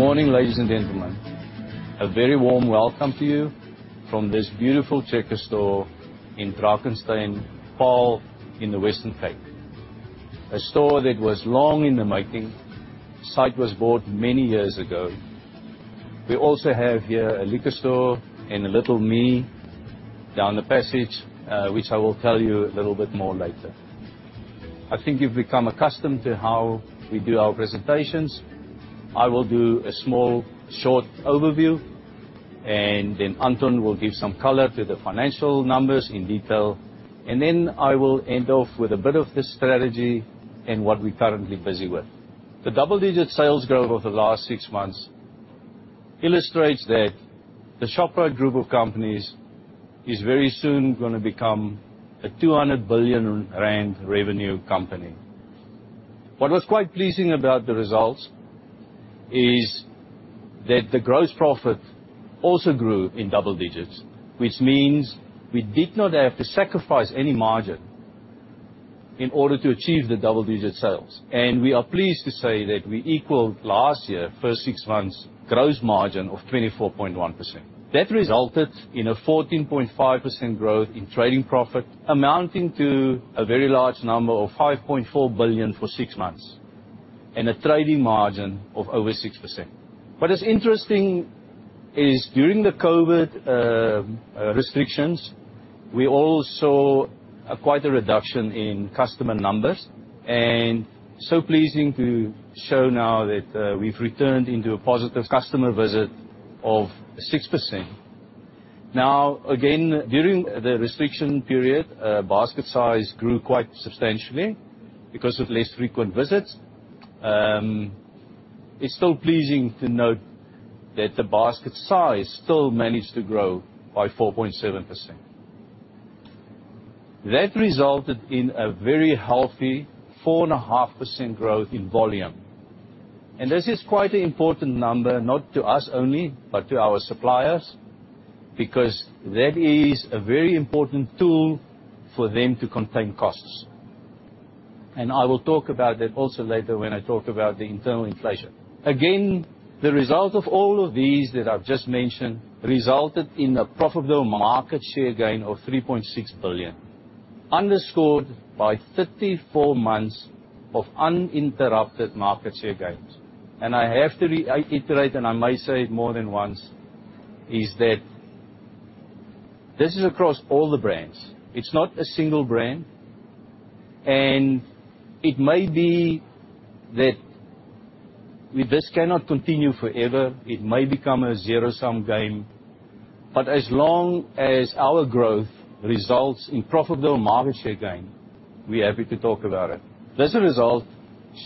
Good morning, ladies and gentlemen. A very warm welcome to you from this beautiful Checkers store in Drakenstein, Paarl in the Western Cape. A store that was long in the making. The site was bought many years ago. We also have here a liquor store and a Little Me down the passage, which I will tell you a little bit more later. I think you've become accustomed to how we do our presentations. I will do a small short overview, and then Anton will give some color to the financial numbers in detail. Then I will end off with a bit of the strategy and what we're currently busy with. The double-digit sales growth over the last six months illustrates that the Shoprite group of companies is very soon gonna become a 200 billion rand revenue company. What was quite pleasing about the results is that the gross profit also grew in double digits, which means we did not have to sacrifice any margin in order to achieve the double-digit sales. We are pleased to say that we equaled last year first six months gross margin of 24.1%. That resulted in a 14.5% growth in trading profit, amounting to a very large number of 5.4 billion for six months and a trading margin of over 6%. What is interesting is during the COVID restrictions, we all saw a reduction in customer numbers. It is pleasing to show now that we've returned into a positive customer visit of 6%. Now, again, during the restriction period, basket size grew quite substantially because of less frequent visits. It's still pleasing to note that the basket size still managed to grow by 4.7%. That resulted in a very healthy 4.5% growth in volume. This is quite an important number, not to us only, but to our suppliers, because that is a very important tool for them to contain costs. I will talk about that also later when I talk about the internal inflation. Again, the result of all of these that I've just mentioned resulted in a profitable market share gain of 3.6 billion, underscored by 34 months of uninterrupted market share gains. I iterate, and I may say it more than once, is that this is across all the brands. It's not a single brand. It may be that this cannot continue forever. It may become a zero-sum game. As long as our growth results in profitable market share gain, we're happy to talk about it. This result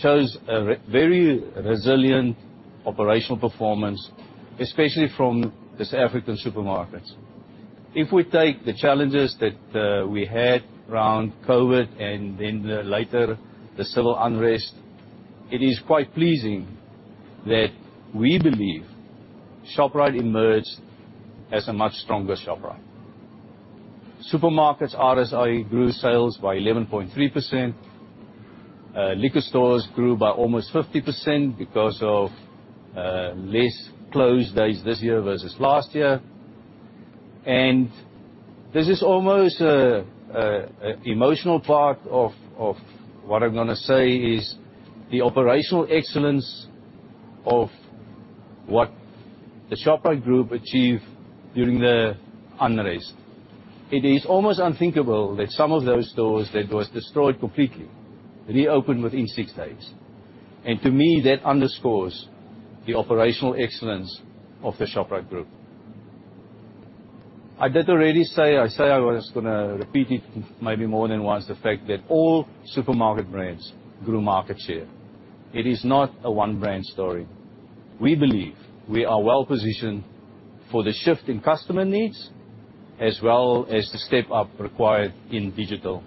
shows a very resilient operational performance, especially from the South African supermarkets. If we take the challenges that we had around COVID and then the civil unrest, it is quite pleasing that we believe Shoprite emerged as a much stronger Shoprite. Supermarkets RSA grew sales by 11.3%. Liquor stores grew by almost 50% because of less closed days this year versus last year. This is almost an emotional part of what I'm gonna say is the operational excellence of what the Shoprite Group achieved during the unrest. It is almost unthinkable that some of those stores that was destroyed completely reopened within six days. To me, that underscores the operational excellence of the Shoprite Group. I already said I was gonna repeat it maybe more than once, the fact that all supermarket brands grew market share. It is not a one brand story. We believe we are well-positioned for the shift in customer needs as well as the step up required in digital.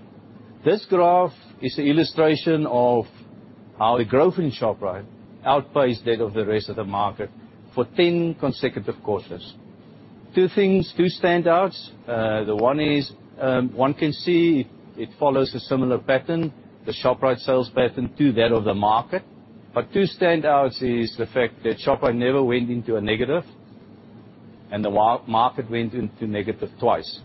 This graph is an illustration of how the growth in Shoprite outpaced that of the rest of the market for 10 consecutive quarters. Two things, two standouts. The one is, one can see it follows a similar pattern, the Shoprite sales pattern to that of the market. Two standouts is the fact that Shoprite never went into a negative, and the market went into negative twice.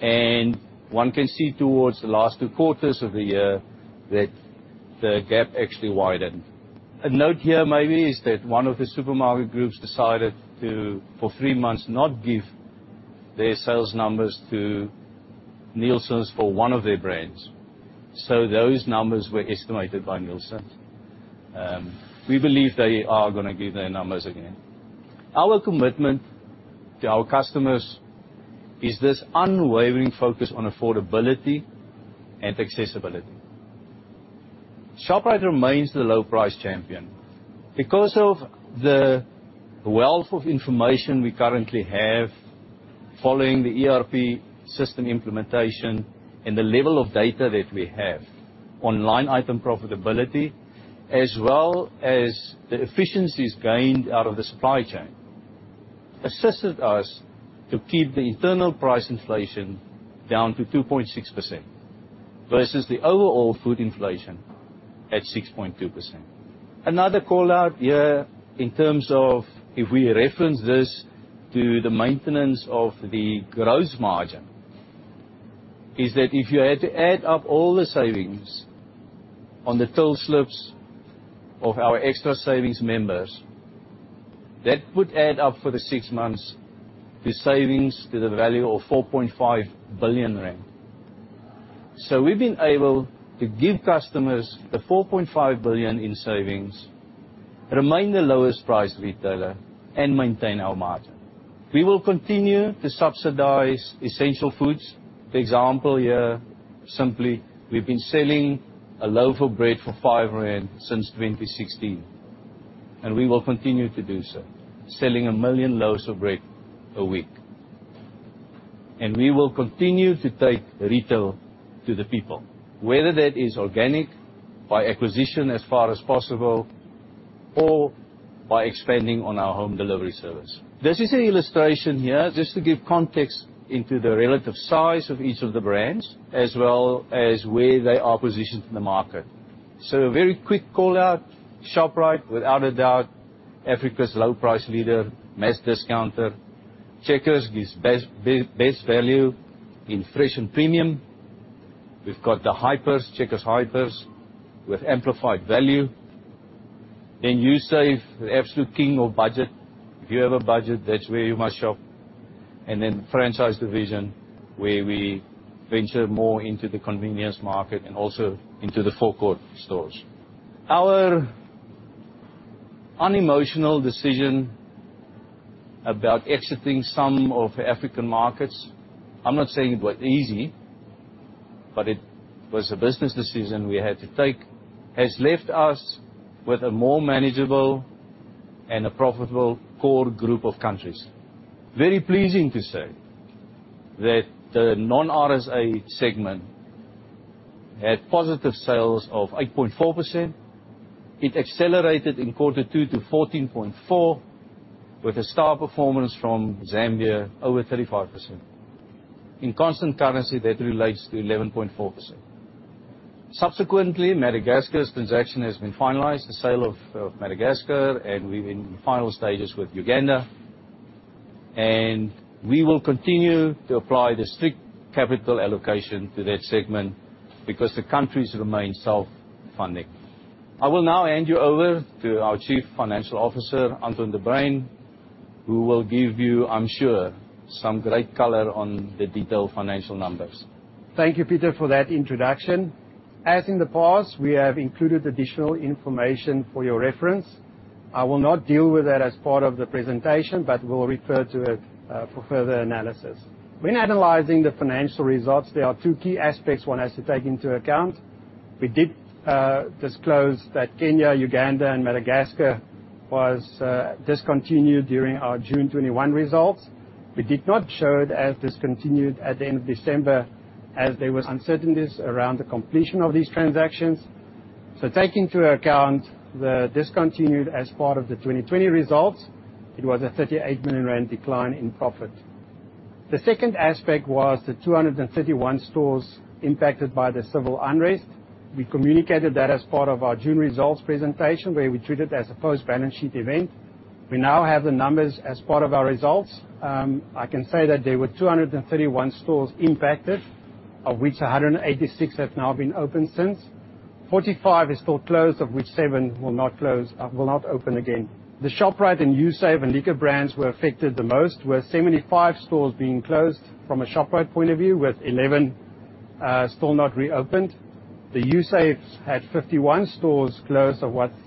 One can see towards the last two quarters of the year that the gap actually widened. A note here maybe is that one of the supermarket groups decided to, for three months, not give their sales numbers to Nielsen for one of their brands. Those numbers were estimated by Nielsen. We believe they are gonna give their numbers again. Our commitment to our customers is this unwavering focus on affordability and accessibility. Shoprite remains the low price champion. Because of the wealth of information we currently have following the ERP system implementation and the level of data that we have on line item profitability as well as the efficiencies gained out of the supply chain assisted us to keep the internal price inflation down to 2.6% versus the overall food inflation at 6.2%. Another call-out here in terms of if we reference this to the maintenance of the gross margin, is that if you had to add up all the savings on the till slips of our Xtra Savings members, that would add up for the six months to savings to the value of 4.5 billion rand. We've been able to give customers the 4.5 billion in savings, remain the lowest price retailer, and maintain our margin. We will continue to subsidize essential foods. The example here, simply, we've been selling a loaf of bread for 5 rand since 2016, and we will continue to do so, selling 1 million loaves of bread a week. We will continue to take retail to the people, whether that is organic, by acquisition as far as possible, or by expanding on our home delivery service. This is an illustration here just to give context into the relative size of each of the brands as well as where they are positioned in the market. So a very quick call-out. Shoprite, without a doubt, Africa's low price leader, mass discounter. Checkers gives best value in fresh and premium. We've got the hypers, Checkers Hyper with amplified value. Then Usave, the absolute king of budget. If you have a budget, that's where you must shop. Franchise division, where we venture more into the convenience market and also into the forecourt stores. Our unemotional decision about exiting some African markets, I'm not saying it was easy, but it was a business decision we had to take, has left us with a more manageable and a profitable core group of countries. Very pleasing to say that the non-RSA segment had positive sales of 8.4%. It accelerated in quarter two to 14.4% with a star performance from Zambia over 35%. In constant currency, that relates to 11.4%. Subsequently, Madagascar's transaction has been finalized, the sale of Madagascar, and we're in the final stages with Uganda. We will continue to apply the strict capital allocation to that segment because the countries remain self-funding. I will now hand you over to our Chief Financial Officer, Anton de Bruyn, who will give you, I'm sure, some great color on the detailed financial numbers. Thank you, Pieter, for that introduction. As in the past, we have included additional information for your reference. I will not deal with that as part of the presentation, but will refer to it for further analysis. When analyzing the financial results, there are two key aspects one has to take into account. We did disclose that Kenya, Uganda, and Madagascar was discontinued during our June 2021 results. We did not show it as discontinued at the end of December, as there was uncertainties around the completion of these transactions. Take into account the discontinued as part of the 2020 results. It was a 38 million rand decline in profit. The second aspect was the 231 stores impacted by the civil unrest. We communicated that as part of our June results presentation, where we treat it as a post-balance sheet event. We now have the numbers as part of our results. I can say that there were 231 stores impacted, of which 186 have now been opened since. 45 is still closed, of which 7 will not open again. The Shoprite and Usave and Liquor brands were affected the most, with 75 stores being closed from a Shoprite point of view, with 11 still not reopened. The Usaves had 51 stores closed,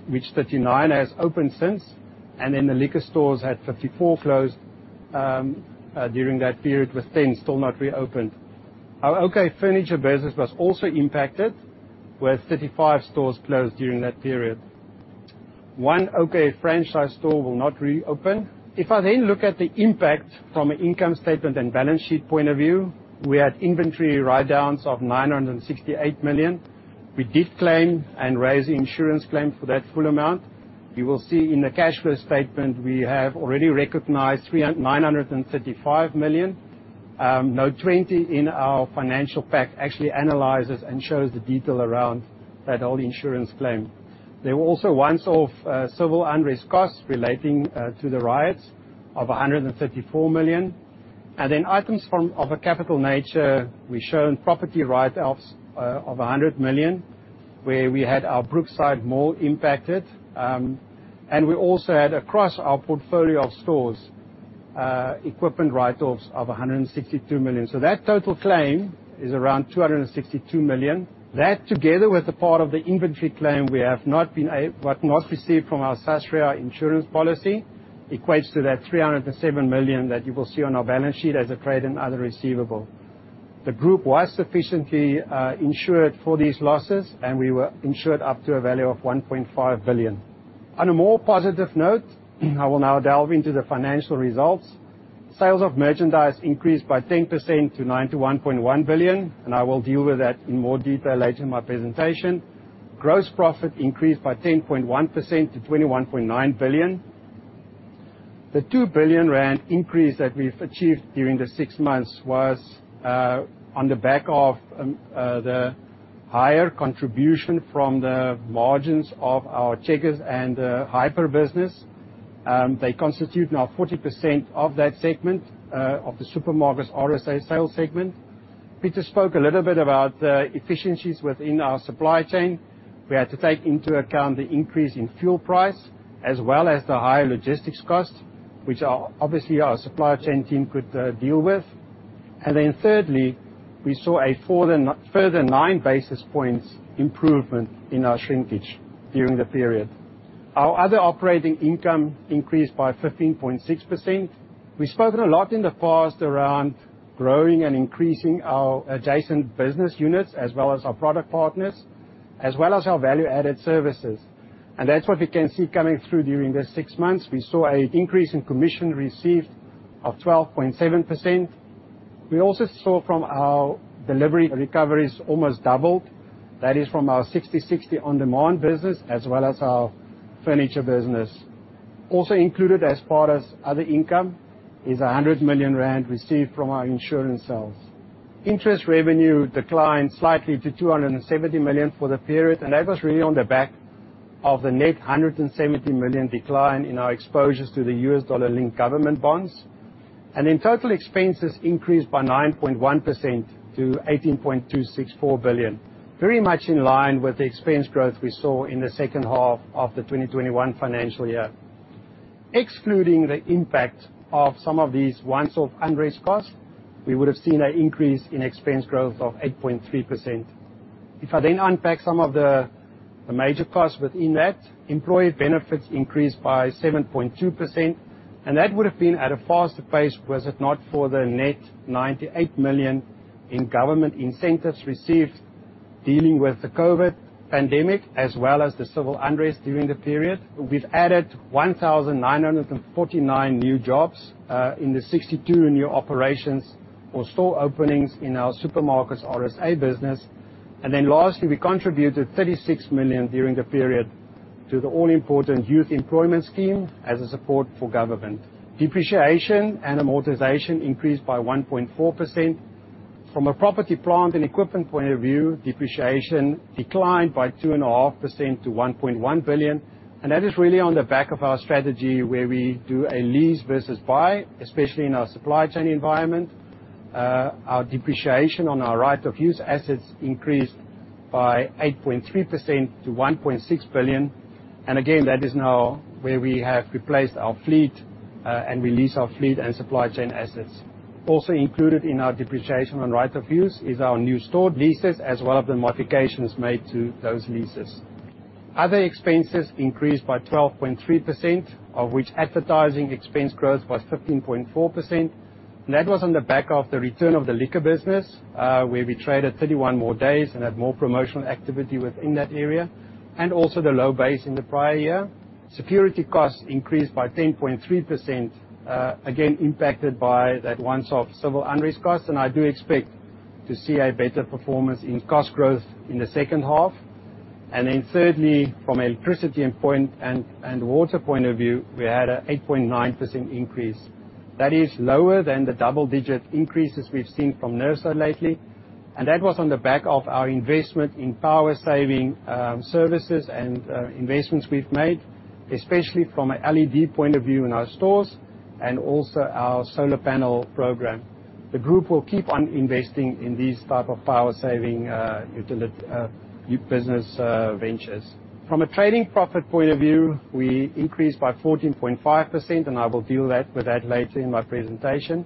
which 39 has opened since. The Liquor stores had 54 closed during that period, with 10 still not reopened. Our OK Furniture business was also impacted, with 35 stores closed during that period. One OK Franchise store will not reopen. If I then look at the impact from an income statement and balance sheet point of view, we had inventory write-downs of 968 million. We did claim and raise insurance claim for that full amount. You will see in the cash flow statement we have already recognized 935 million. Note 20 in our financial pack actually analyzes and shows the detail around that whole insurance claim. There were also one-off civil unrest costs relating to the riots of 134 million. Items of a capital nature, we've shown property write-offs of 100 million, where we had our Brookside Mall impacted. We also had across our portfolio of stores equipment write-offs of 162 million. That total claim is around 262 million. That, together with the part of the inventory claim we have not received from our Sasria insurance policy, equates to that 307 million that you will see on our balance sheet as a trade and other receivable. The group was sufficiently insured for these losses, and we were insured up to a value of 1.5 billion. On a more positive note, I will now delve into the financial results. Sales of merchandise increased by 10% to 91.1 billion, and I will deal with that in more detail later in my presentation. Gross profit increased by 10.1% to 21.9 billion. The 2 billion rand increase that we've achieved during the six months was on the back of the higher contribution from the margins of our Checkers and Hyper business. They constitute now 40% of that segment of the supermarket's RSA sales segment. Pieter spoke a little bit about the efficiencies within our supply chain. We had to take into account the increase in fuel price as well as the higher logistics costs, which our, obviously, our supply chain team could deal with. Thirdly, we saw a further 9 basis points improvement in our shrinkage during the period. Our other operating income increased by 15.6%. We've spoken a lot in the past around growing and increasing our adjacent business units as well as our product partners, as well as our value-added services, and that's what we can see coming through during this six months. We saw a increase in commission received of 12.7%. We also saw from our delivery recoveries almost doubled. That is from our Sixty60 on-demand business as well as our furniture business. Also included as part of other income is 100 million rand received from our insurance sales. Interest revenue declined slightly to 270 million for the period, and that was really on the back of the net 170 million decline in our exposures to the U.S. dollar-linked government bonds. Total expenses increased by 9.1% to 18.264 billion, very much in line with the expense growth we saw in the second half of the 2021 financial year. Excluding the impact of some of these one-off unrest costs, we would've seen an increase in expense growth of 8.3%. If I unpack some of the major costs within that, employee benefits increased by 7.2%, and that would've been at a faster pace was it not for the net 98 million in government incentives received dealing with the COVID pandemic as well as the civil unrest during the period. We've added 1,949 new jobs in the 62 new operations or store openings in our supermarkets RSA business. Lastly, we contributed 36 million during the period to the all-important youth employment scheme as a support for government. Depreciation and amortization increased by 1.4%. From a property, plant, and equipment point of view, depreciation declined by 2.5% to 1.1 billion, and that is really on the back of our strategy where we do a lease versus buy, especially in our supply chain environment. Our depreciation on our right-of-use assets increased by 8.3% to 1.6 billion, and again, that is now where we have replaced our fleet, and we lease our fleet and supply chain assets. Also included in our depreciation on right-of-use is our new store leases as well as the modifications made to those leases. Other expenses increased by 12.3%, of which advertising expense growth was 15.4%. That was on the back of the return of the liquor business, where we traded 31 more days and had more promotional activity within that area, and also the low base in the prior year. Security costs increased by 10.3%, again impacted by that once-off civil unrest cost, and I do expect to see a better performance in cost growth in the second half. Then thirdly, from an electricity and water point of view, we had an 8.9% increase. That is lower than the double-digit increases we've seen from NERSA lately, and that was on the back of our investment in power-saving services and investments we've made, especially from an LED point of view in our stores and also our solar panel program. The group will keep on investing in these type of power-saving business ventures. From a trading profit point of view, we increased by 14.5%, and I will deal with that later in my presentation.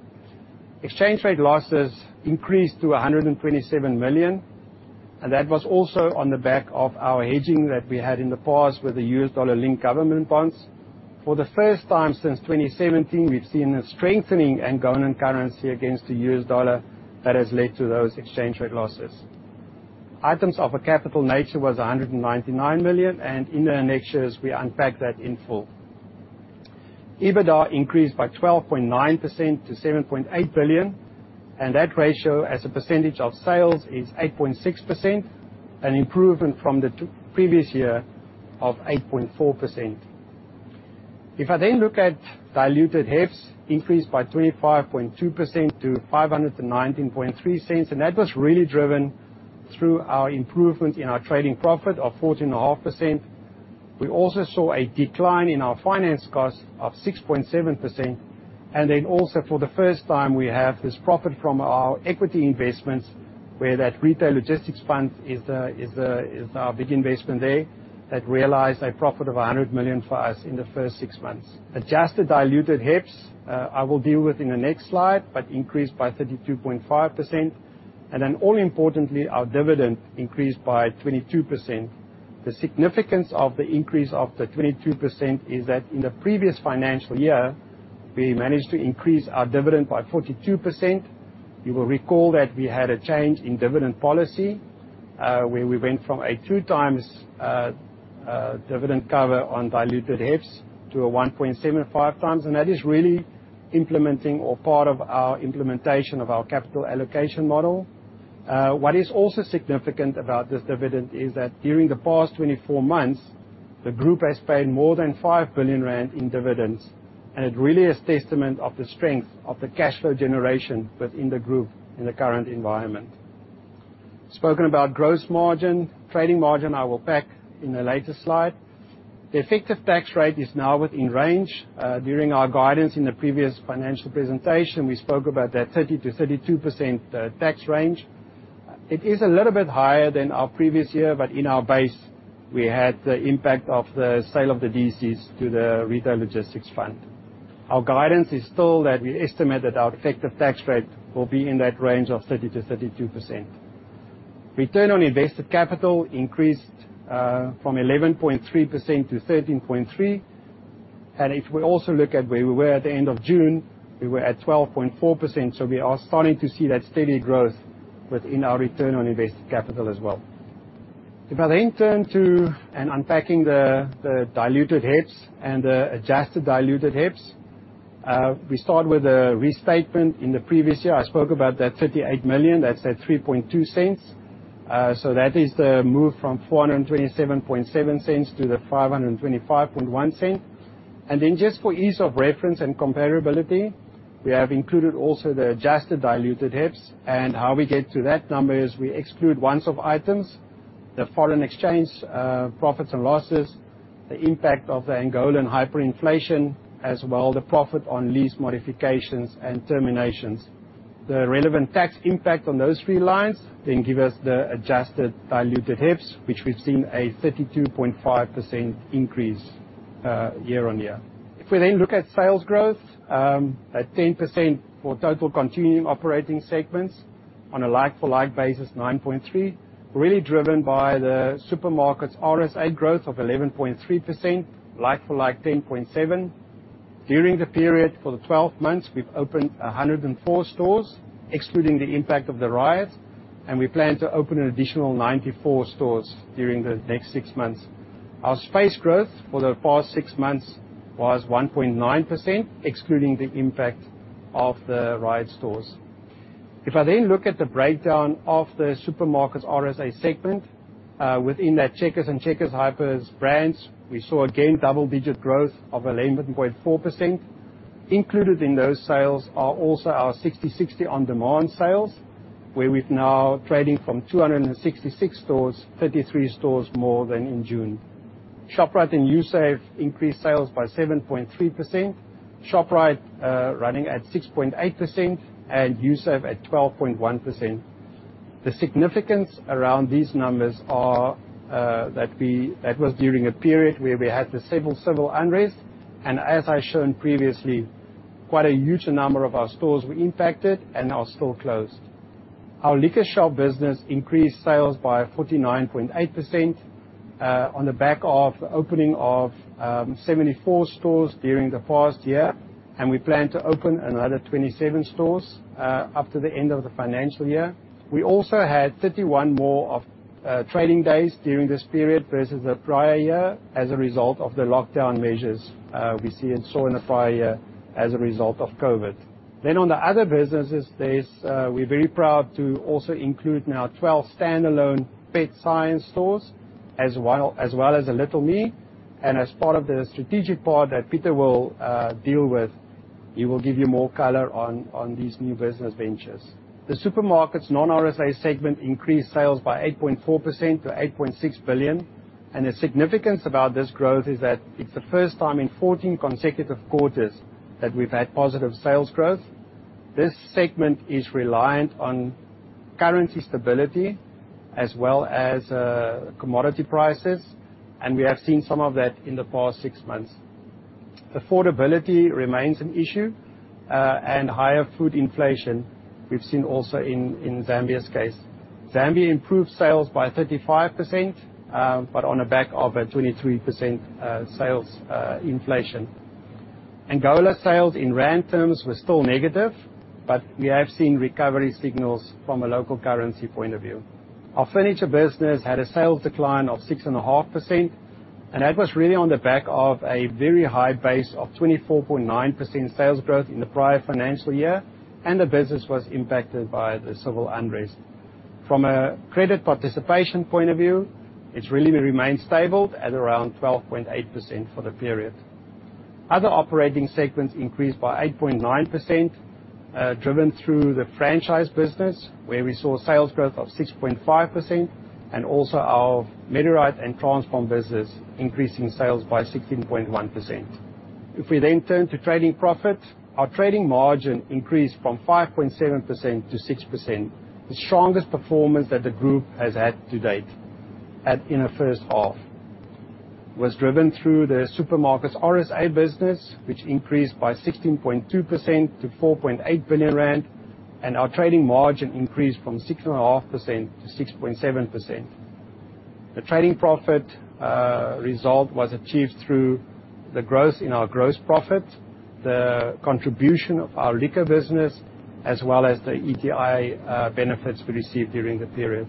Exchange rate losses increased to 127 million, and that was also on the back of our hedging that we had in the past with the U.S. dollar-linked government bonds. For the first time since 2017, we've seen a strengthening and growing currency against the U.S. dollar that has led to those exchange rate losses. Items of a capital nature was 199 million, and in the annexures, we unpack that in full. EBITDA increased by 12.9% to 7.8 billion, and that ratio as a percentage of sales is 8.6%, an improvement from the previous year of 8.4%. If I then look at diluted HEPS increased by 25.2% to 519.3 cents, and that was really driven through our improvement in our trading profit of 14.5%. We also saw a decline in our finance cost of 6.7%. Also for the first time, we have this profit from our equity investments where that Retail Logistics Fund is our big investment there that realized a profit of 100 million for us in the first six months. Adjusted diluted HEPS, I will deal with in the next slide, but increased by 32.5%. All importantly, our dividend increased by 22%. The significance of the increase of the 22% is that in the previous financial year, we managed to increase our dividend by 42%. You will recall that we had a change in dividend policy, where we went from a 2x dividend cover on diluted HEPS to a 1.75x. That is really implementing or part of our implementation of our capital allocation model. What is also significant about this dividend is that during the past 24 months, the group has paid more than 5 billion rand in dividends, and it really is testament of the strength of the cash flow generation within the group in the current environment. Speaking about gross margin, trading margin, I will be back in a later slide. The effective tax rate is now within range. During our guidance in the previous financial presentation, we spoke about that 30%-32% tax range. It is a little bit higher than our previous year, but in our base we had the impact of the sale of the DCs to the Retail Logistics Fund. Our guidance is still that we estimate that our effective tax rate will be in that range of 30%-32%. Return on invested capital increased from 11.3%-13.3%. If we also look at where we were at the end of June, we were at 12.4%, so we are starting to see that steady growth within our return on invested capital as well. If I then turn to unpacking the diluted HEPS and the adjusted diluted HEPS. We start with a restatement. In the previous year, I spoke about that 38 million. That's at 3.2 cents. That is the move from 427.7 cents to the 525.1 cents. Just for ease of reference and comparability, we have included also the adjusted diluted HEPS. How we get to that number is we exclude once-off items, the foreign exchange profits and losses, the impact of the Angolan hyperinflation, as well the profit on lease modifications and terminations. The relevant tax impact on those three lines then give us the adjusted diluted HEPS, which we've seen a 32.5% increase year-on-year. If we then look at sales growth at 10% for total continuing operating segments on a like-for-like basis, 9.3%. Really driven by the supermarkets RSA growth of 11.3%, like-for-like 10.7%. During the period for the twelve months, we've opened 104 stores, excluding the impact of the riot, and we plan to open an additional 94 stores during the next six months. Our space growth for the past six months was 1.9%, excluding the impact of the riot stores. If I then look at the breakdown of the supermarkets RSA segment, within that Checkers and Checkers Hyper brands, we saw again double-digit growth of 11.4%. Included in those sales are also our Sixty60 on-demand sales, where we're now trading from 266 stores, 33 stores more than in June. Shoprite and Usave increased sales by 7.3%. Shoprite running at 6.8% and Usave at 12.1%. The significance around these numbers is that was during a period where we had the civil unrest. As I shown previously, quite a huge number of our stores were impacted and are still closed. Our LiquorShop business increased sales by 49.8% on the back of opening of 74 stores during the past year. We plan to open another 27 stores after the end of the financial year. We also had 31 more trading days during this period versus the prior year, as a result of the lockdown measures we saw in the prior year as a result of COVID. On the other businesses, we're very proud to also include now 12 standalone Petshop Science stores, as well as a Little Me. As part of the strategic part that Pieter will deal with, he will give you more color on these new business ventures. The supermarket's non-RSA segment increased sales by 8.4% to 8.6 billion. The significance about this growth is that it's the first time in 14 consecutive quarters that we've had positive sales growth. This segment is reliant on currency stability as well as commodity prices, and we have seen some of that in the past six months. Affordability remains an issue, and we've seen higher food inflation also in Zambia's case. Zambia improved sales by 35%, but on the back of a 23% sales inflation. Angola sales in rand terms were still negative, but we have seen recovery signals from a local currency point of view. Our furniture business had a sales decline of 6.5%, and that was really on the back of a very high base of 24.9% sales growth in the prior financial year, and the business was impacted by the civil unrest. From a credit participation point of view, it's really remained stable at around 12.8% for the period. Other operating segments increased by 8.9%, driven through the franchise business, where we saw sales growth of 6.5% and also our Medirite and Transpharm business increasing sales by 16.1%. If we then turn to trading profit, our trading margin increased from 5.7%-6%. The strongest performance that the group has had to date in the first half was driven through the supermarket's RSA business, which increased by 16.2% to 4.8 billion rand, and our trading margin increased from 6.5%-6.7%. The trading profit result was achieved through the growth in our gross profit, the contribution of our liquor business, as well as the ETI benefits we received during the period.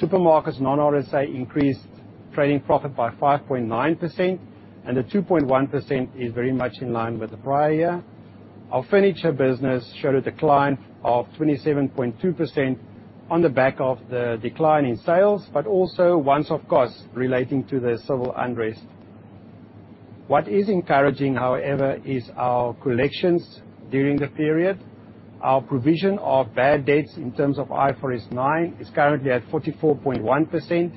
Supermarkets non-RSA increased trading profit by 5.9%, and the 2.1% is very much in line with the prior year. Our furniture business showed a decline of 27.2% on the back of the decline in sales, but also once-off costs relating to the civil unrest. What is encouraging, however, is our collections during the period. Our provision of bad debts in terms of IFRS 9 is currently at 44.1%.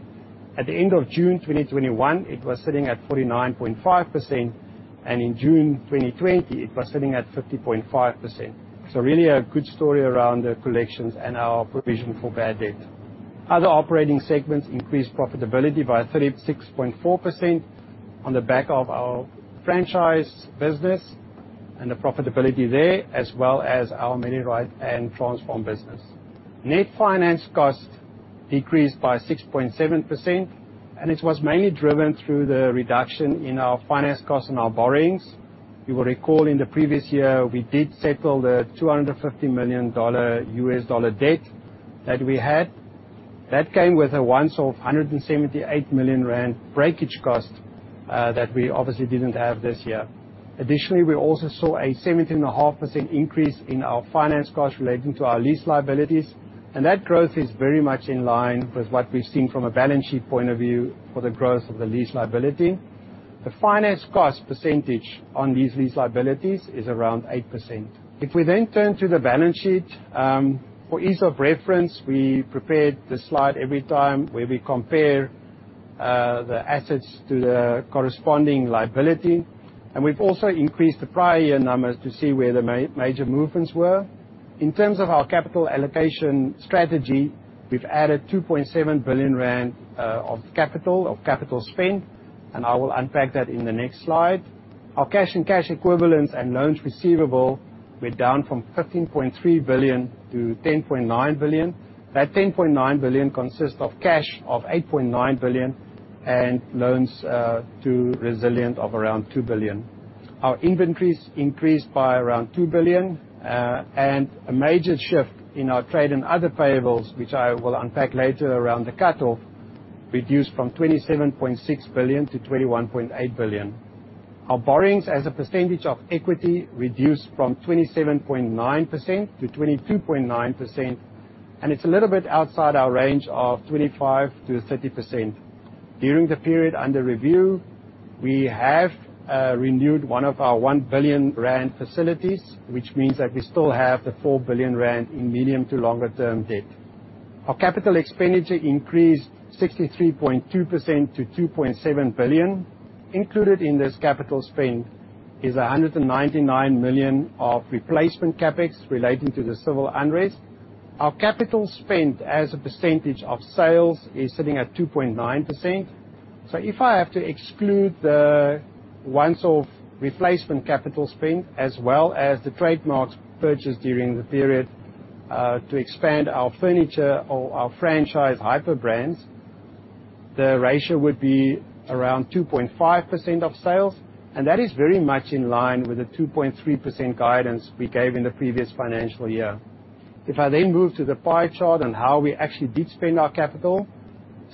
At the end of June 2021, it was sitting at 49.5%, and in June 2020, it was sitting at 50.5%. Really a good story around the collections and our provision for bad debt. Other operating segments increased profitability by 36.4% on the back of our franchise business and the profitability there, as well as our Medirite and Transpharm business. Net finance cost decreased by 6.7%, and it was mainly driven through the reduction in our finance cost and our borrowings. You will recall in the previous year, we did settle the $250 million U.S. dollar debt that we had. That came with a once-off 178 million rand breakage cost that we obviously didn't have this year. Additionally, we also saw a 17.5% increase in our finance cost relating to our lease liabilities, and that growth is very much in line with what we've seen from a balance sheet point of view for the growth of the lease liability. The finance cost percentage on these lease liabilities is around 8%. If we turn to the balance sheet, for ease of reference, we prepared this slide every time where we compare the assets to the corresponding liability. We've also increased the prior year numbers to see where the major movements were. In terms of our capital allocation strategy, we've added 2.7 billion rand of capital spend, and I will unpack that in the next slide. Our cash and cash equivalents and loans receivable were down from 15.3 billion-10.9 billion. That 10.9 billion consists of cash of 8.9 billion and loans to Resilient of around 2 billion. Our inventories increased by around 2 billion, and a major shift in our trade and other payables, which I will unpack later around the cutoff, reduced from 27.6 billion-21.8 billion. Our borrowings as a percentage of equity reduced from 27.9%-22.9%, and it's a little bit outside our range of 25%-30%. During the period under review, we have renewed one of our 1 billion rand facilities, which means that we still have the 4 billion rand in medium to longer term debt. Our capital expenditure increased 63.2% to 2.7 billion. Included in this capital spend is 199 million of replacement CapEx relating to the civil unrest. Our capital spend as a percentage of sales is sitting at 2.9%. If I have to exclude the once-off replacement capital spend, as well as the trademarks purchased during the period, to expand our furniture or our franchise hyper brands, the ratio would be around 2.5% of sales, and that is very much in line with the 2.3% guidance we gave in the previous financial year. If I then move to the pie chart on how we actually did spend our capital,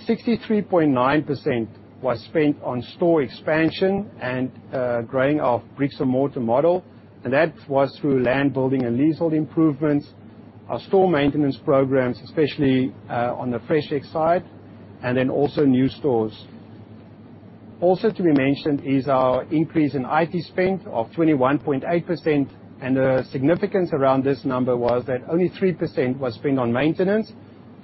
63.9% was spent on store expansion and growing our bricks-and-mortar model, and that was through land building and leasehold improvements, our store maintenance programs, especially on the fresh end side, and then also new stores. Also to be mentioned is our increase in IT spend of 21.8%, and the significance around this number was that only 3% was spent on maintenance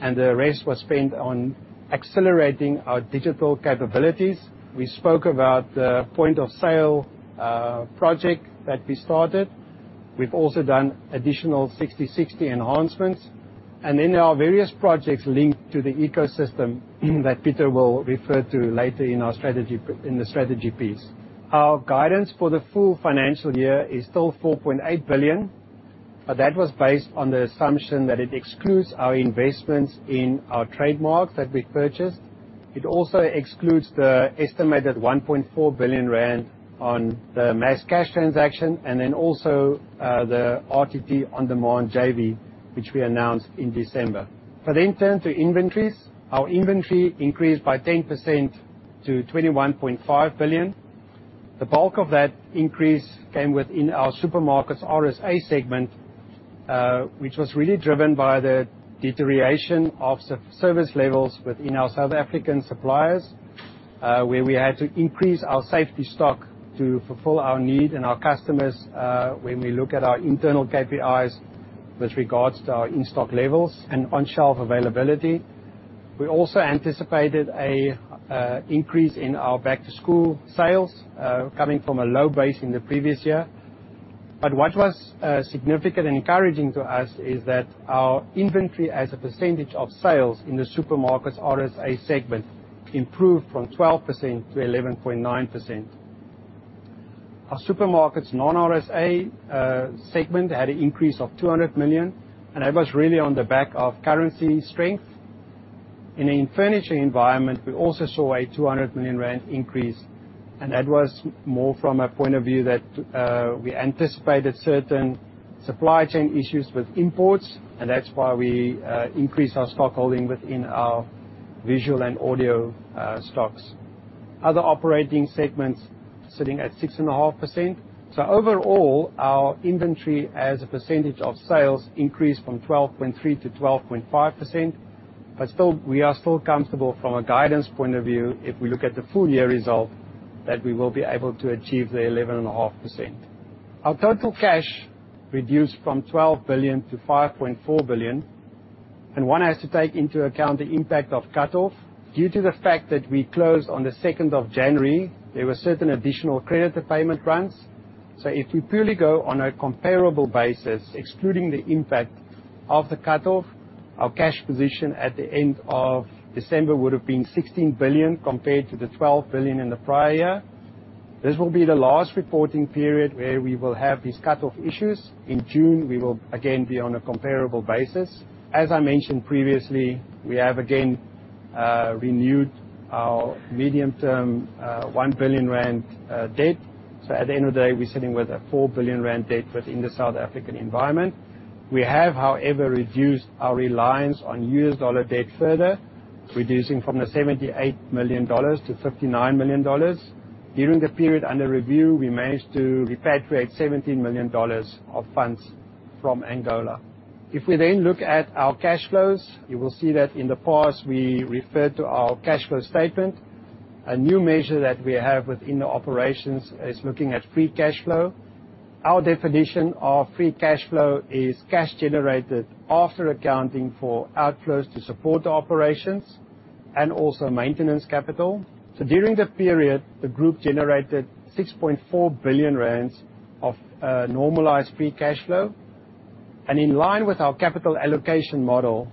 and the rest was spent on accelerating our digital capabilities. We spoke about the point of sale project that we started. We've also done additional Sixty60 enhancements. There are various projects linked to the ecosystem that Pieter will refer to later in our strategy in the strategy piece. Our guidance for the full financial year is still 4.8 billion, but that was based on the assumption that it excludes our investments in our trademarks that we purchased. It also excludes the estimated 1.4 billion rand on the Masscash transaction, and then also, the RTT On-Demand JV, which we announced in December. If I turn to inventories. Our inventory increased by 10% to 21.5 billion. The bulk of that increase came within our supermarkets RSA segment, which was really driven by the deterioration of service levels within our South African suppliers, where we had to increase our safety stock to fulfill our needs and our customers, when we look at our internal KPIs with regards to our in-stock levels and on-shelf availability. We also anticipated a increase in our back-to-school sales coming from a low base in the previous year. What was significant and encouraging to us is that our inventory as a percentage of sales in the supermarkets RSA segment improved from 12% -11.9%. Our supermarkets non-RSA segment had an increase of 200 million, and that was really on the back of currency strength. In furniture environment, we also saw a 200 million rand increase, and that was more from a point of view that we anticipated certain supply chain issues with imports, and that's why we increased our stock holding within our visual and audio stocks. Other operating segments sitting at 6.5%. Overall, our inventory as a percentage of sales increased from 12.3%-12.5%. Still, we are still comfortable from a guidance point of view if we look at the full year result, that we will be able to achieve the 11.5%. Our total cash reduced from 12 billion-5.4 billion, and one has to take into account the impact of cut-off. Due to the fact that we closed on the second of January, there were certain additional creditor payment runs. If we purely go on a comparable basis, excluding the impact of the cut-off, our cash position at the end of December would have been 16 billion compared to the 12 billion in the prior year. This will be the last reporting period where we will have these cut-off issues. In June, we will again be on a comparable basis. As I mentioned previously, we have again renewed our medium-term 1 billion rand debt. At the end of the day, we're sitting with a 4 billion rand debt within the South African environment. We have, however, reduced our reliance on U.S. dollar debt further, reducing from $78 million-$59 million. During the period under review, we managed to repatriate $17 million of funds from Angola. If we then look at our cash flows, you will see that in the past, we referred to our cash flow statement. A new measure that we have within the operations is looking at free cash flow. Our definition of free cash flow is cash generated after accounting for outflows to support the operations and also maintenance capital. During the period, the group generated 6.4 billion rand of normalized free cash flow. In line with our capital allocation model,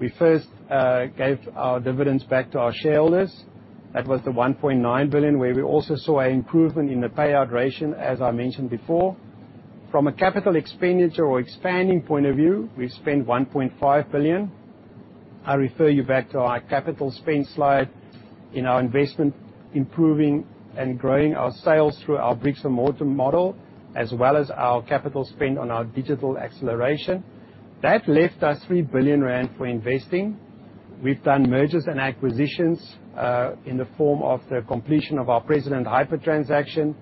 we first gave our dividends back to our shareholders. That was the 1.9 billion, where we also saw an improvement in the payout ratio, as I mentioned before. From a capital expenditure or expanding point of view, we spent 1.5 billion. I refer you back to our capital spend slide in our investment, improving and growing our sales through our bricks and mortar model, as well as our capital spend on our digital acceleration. That left us 3 billion rand for investing. We've done mergers and acquisitions in the form of the completion of our President Hyper transaction.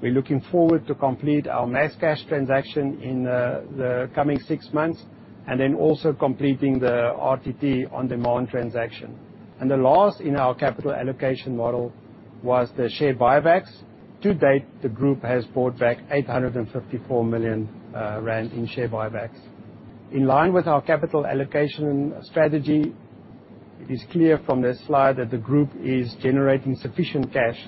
We're looking forward to complete our Masscash transaction in the coming six months, and then also completing the RTT On-Demand transaction. The last in our capital allocation model was the share buybacks. To date, the group has bought back 854 million rand in share buybacks. In line with our capital allocation strategy, it is clear from this slide that the group is generating sufficient cash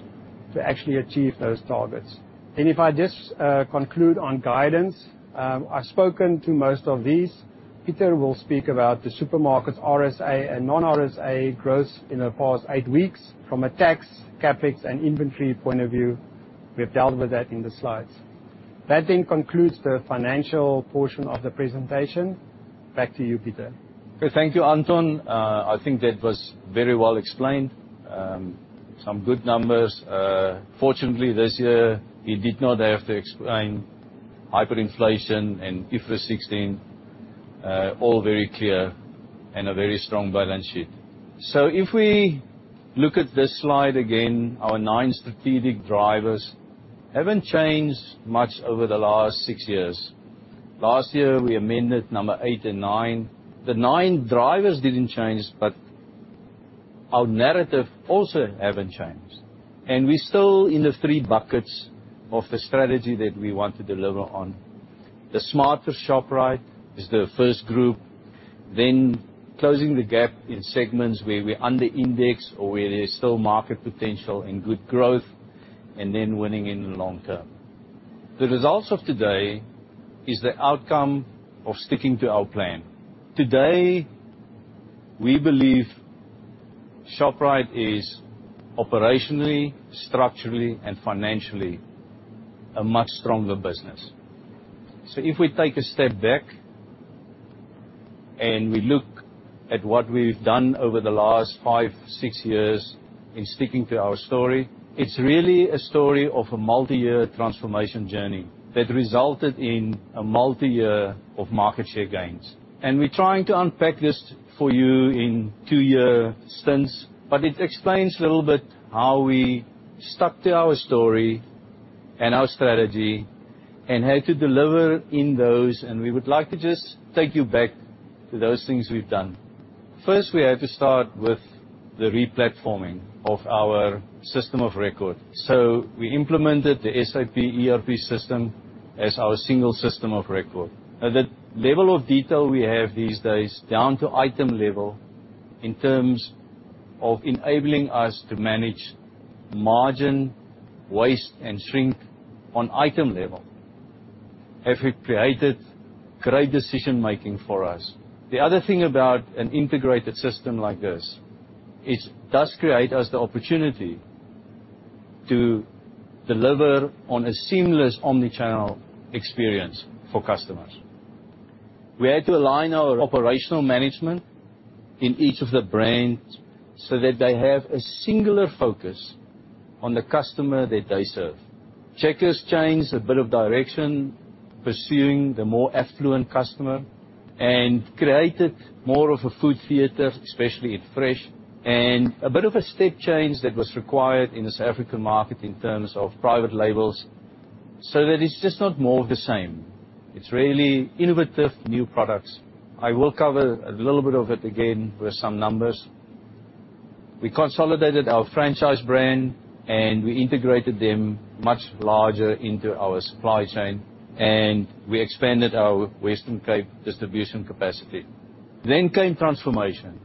to actually achieve those targets. If I just conclude on guidance, I've spoken to most of these. Pieter will speak about the supermarket's RSA and non-RSA growth in the past eight weeks. From a tax, CapEx, and inventory point of view, we have dealt with that in the slides. That then concludes the financial portion of the presentation. Back to you, Pieter. Okay. Thank you, Anton. I think that was very well explained. Some good numbers. Fortunately, this year, you did not have to explain hyperinflation and IFRS 16. All very clear and a very strong balance sheet. If we look at this slide, again, our nine strategic drivers haven't changed much over the last six years. Last year, we amended number eight and nine. The nine drivers didn't change, but our narrative also haven't changed. We're still in the three buckets of the strategy that we want to deliver on. The smarter Shoprite is the first group. Then closing the gap in segments where we under index or where there's still market potential and good growth, and then winning in the long term. The results of today is the outcome of sticking to our plan. Today, we believe Shoprite is operationally, structurally, and financially a much stronger business. If we take a step back and we look at what we've done over the last five, six years in sticking to our story, it's really a story of a multi-year transformation journey that resulted in a multi-year of market share gains. We're trying to unpack this for you in two-year stints, but it explains a little bit how we stuck to our story and our strategy and had to deliver in those. We would like to just take you back to those things we've done. First, we had to start with the re-platforming of our system of record. We implemented the SAP ERP system as our single system of record. Now, the level of detail we have these days, down to item level, in terms of enabling us to manage margin, waste, and shrink on item level, have created great decision-making for us. The other thing about an integrated system like this is it does create us the opportunity to deliver on a seamless omni-channel experience for customers. We had to align our operational management in each of the brands so that they have a singular focus on the customer that they serve. Checkers changed a bit of direction, pursuing the more affluent customer, and created more of a food theater, especially in Fresh. A bit of a step change that was required in the South African market in terms of private labels, so that it's just not more of the same. It's really innovative new products. I will cover a little bit of it again with some numbers. We consolidated our franchise brand, and we integrated them much larger into our supply chain, and we expanded our Western Cape distribution capacity. Transformation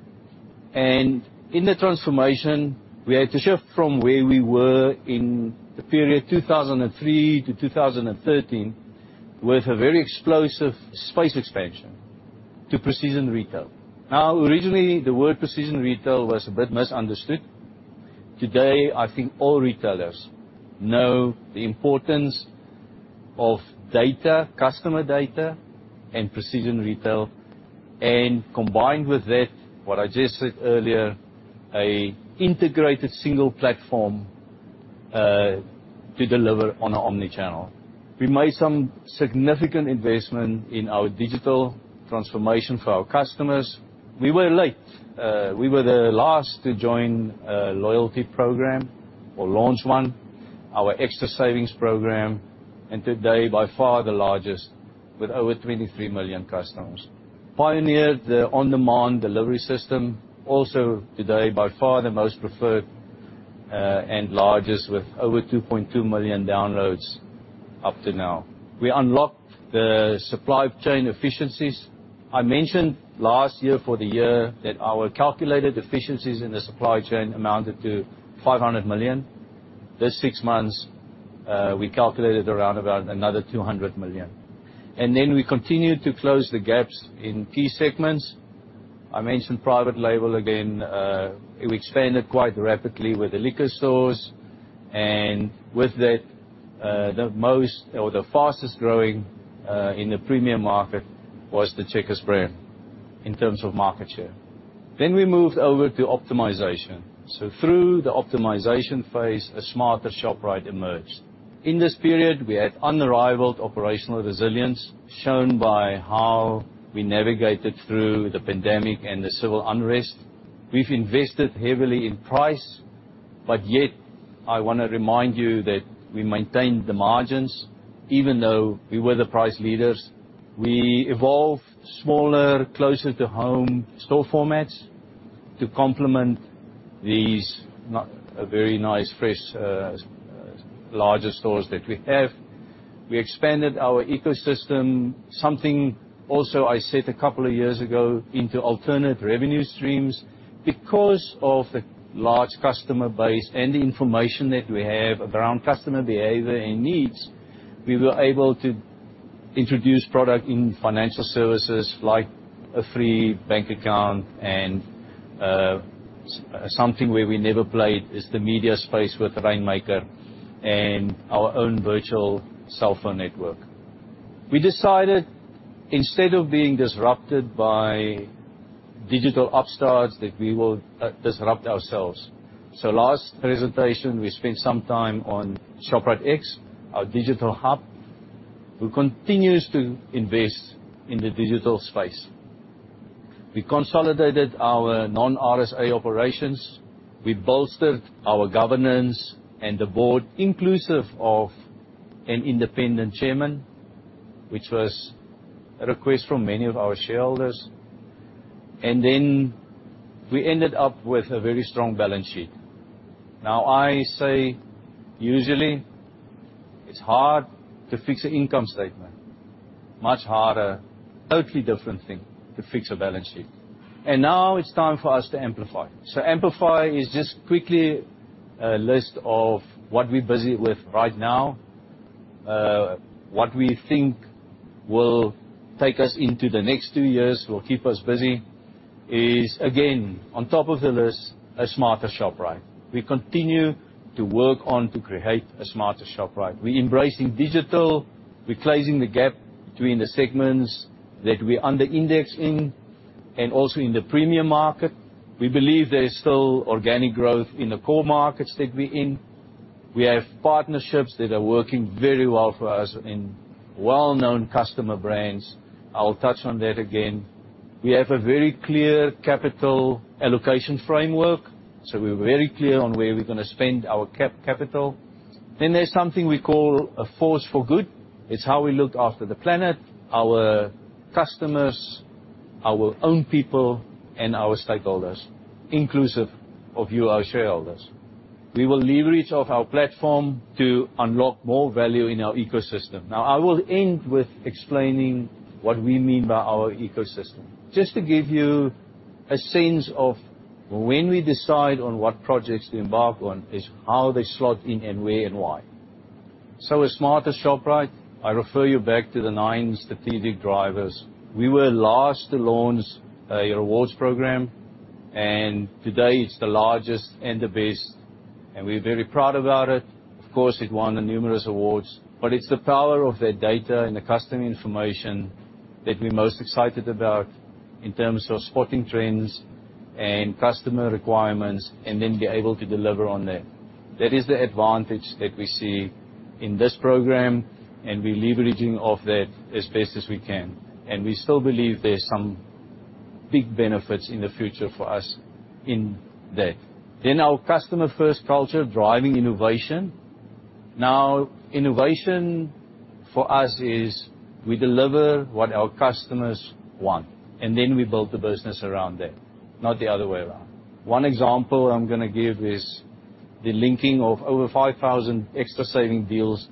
came. In the transformation, we had to shift from where we were in the period 2003-2013, with a very explosive space expansion to precision retail. Now, originally, the word precision retail was a bit misunderstood. Today, I think all retailers know the importance of data, customer data, and precision retail. Combined with that, what I just said earlier, an integrated single platform to deliver on an omni-channel. We made some significant investment in our digital transformation for our customers. We were late. We were the last to join a loyalty program or launch one, our Xtra Savings program, and today, by far, the largest with over 23 million customers. Pioneered the on-demand delivery system. Also today, by far, the most preferred and largest with over 2.2 million downloads up to now. We unlocked the supply chain efficiencies. I mentioned last year for the year that our calculated efficiencies in the supply chain amounted to 500 million. This six months, we calculated around about another 200 million. Then we continued to close the gaps in key segments. I mentioned private label again. We expanded quite rapidly with the liquor stores. And with that, the most or the fastest-growing in the premium market was the Checkers brand in terms of market share. We moved over to optimization. Through the optimization phase, a smarter Shoprite emerged. In this period, we had unrivaled operational resilience, shown by how we navigated through the pandemic and the civil unrest. We've invested heavily in price, but yet I wanna remind you that we maintained the margins even though we were the price leaders. We evolved smaller, closer to home store formats to complement these not very nice, fresh, larger stores that we have. We expanded our ecosystem, something also I said a couple of years ago, into alternate revenue streams. Because of the large customer base and the information that we have around customer behavior and needs, we were able to introduce product in financial services like a free bank account and, something where we never played is the media space with Rainmaker and our own virtual cell phone network. We decided, instead of being disrupted by digital upstarts, that we will, disrupt ourselves. Last presentation, we spent some time on ShopriteX, our digital hub, who continues to invest in the digital space. We consolidated our non-RSA operations. We bolstered our governance and the board, inclusive of an independent chairman, which was a request from many of our shareholders. We ended up with a very strong balance sheet. Now, I say usually it's hard to fix an income statement. Much harder, totally different thing to fix a balance sheet. It's time for us to amplify. Amplify is just quickly a list of what we're busy with right now. What we think will take us into the next two years, will keep us busy is again, on top of the list, a smarter Shoprite. We continue to work on to create a smarter Shoprite. We're embracing digital. We're closing the gap between the segments that we under-index in and also in the premium market. We believe there is still organic growth in the core markets that we're in. We have partnerships that are working very well for us in well-known customer brands. I'll touch on that again. We have a very clear capital allocation framework, so we're very clear on where we're gonna spend our capital. Then there's something we call a force for good. It's how we look after the planet, our customers, our own people, and our stakeholders, inclusive of you, our shareholders. We will leverage our platform to unlock more value in our ecosystem. Now, I will end with explaining what we mean by our ecosystem. Just to give you a sense of when we decide on what projects to embark on is how they slot in and where and why. A smarter Shoprite, I refer you back to the nine strategic drivers. We were last to launch a rewards program, and today it's the largest and the best, and we're very proud about it. Of course, it won numerous awards, but it's the power of that data and the customer information that we're most excited about in terms of spotting trends and customer requirements and then be able to deliver on that. That is the advantage that we see in this program, and we're leveraging off that as best as we can. We still believe there's some big benefits in the future for us in that. Our customer-first culture, driving innovation. Now, innovation for us is we deliver what our customers want, and then we build the business around that, not the other way around. One example I'm gonna give is the linking of over 5,000 Xtra Savings deals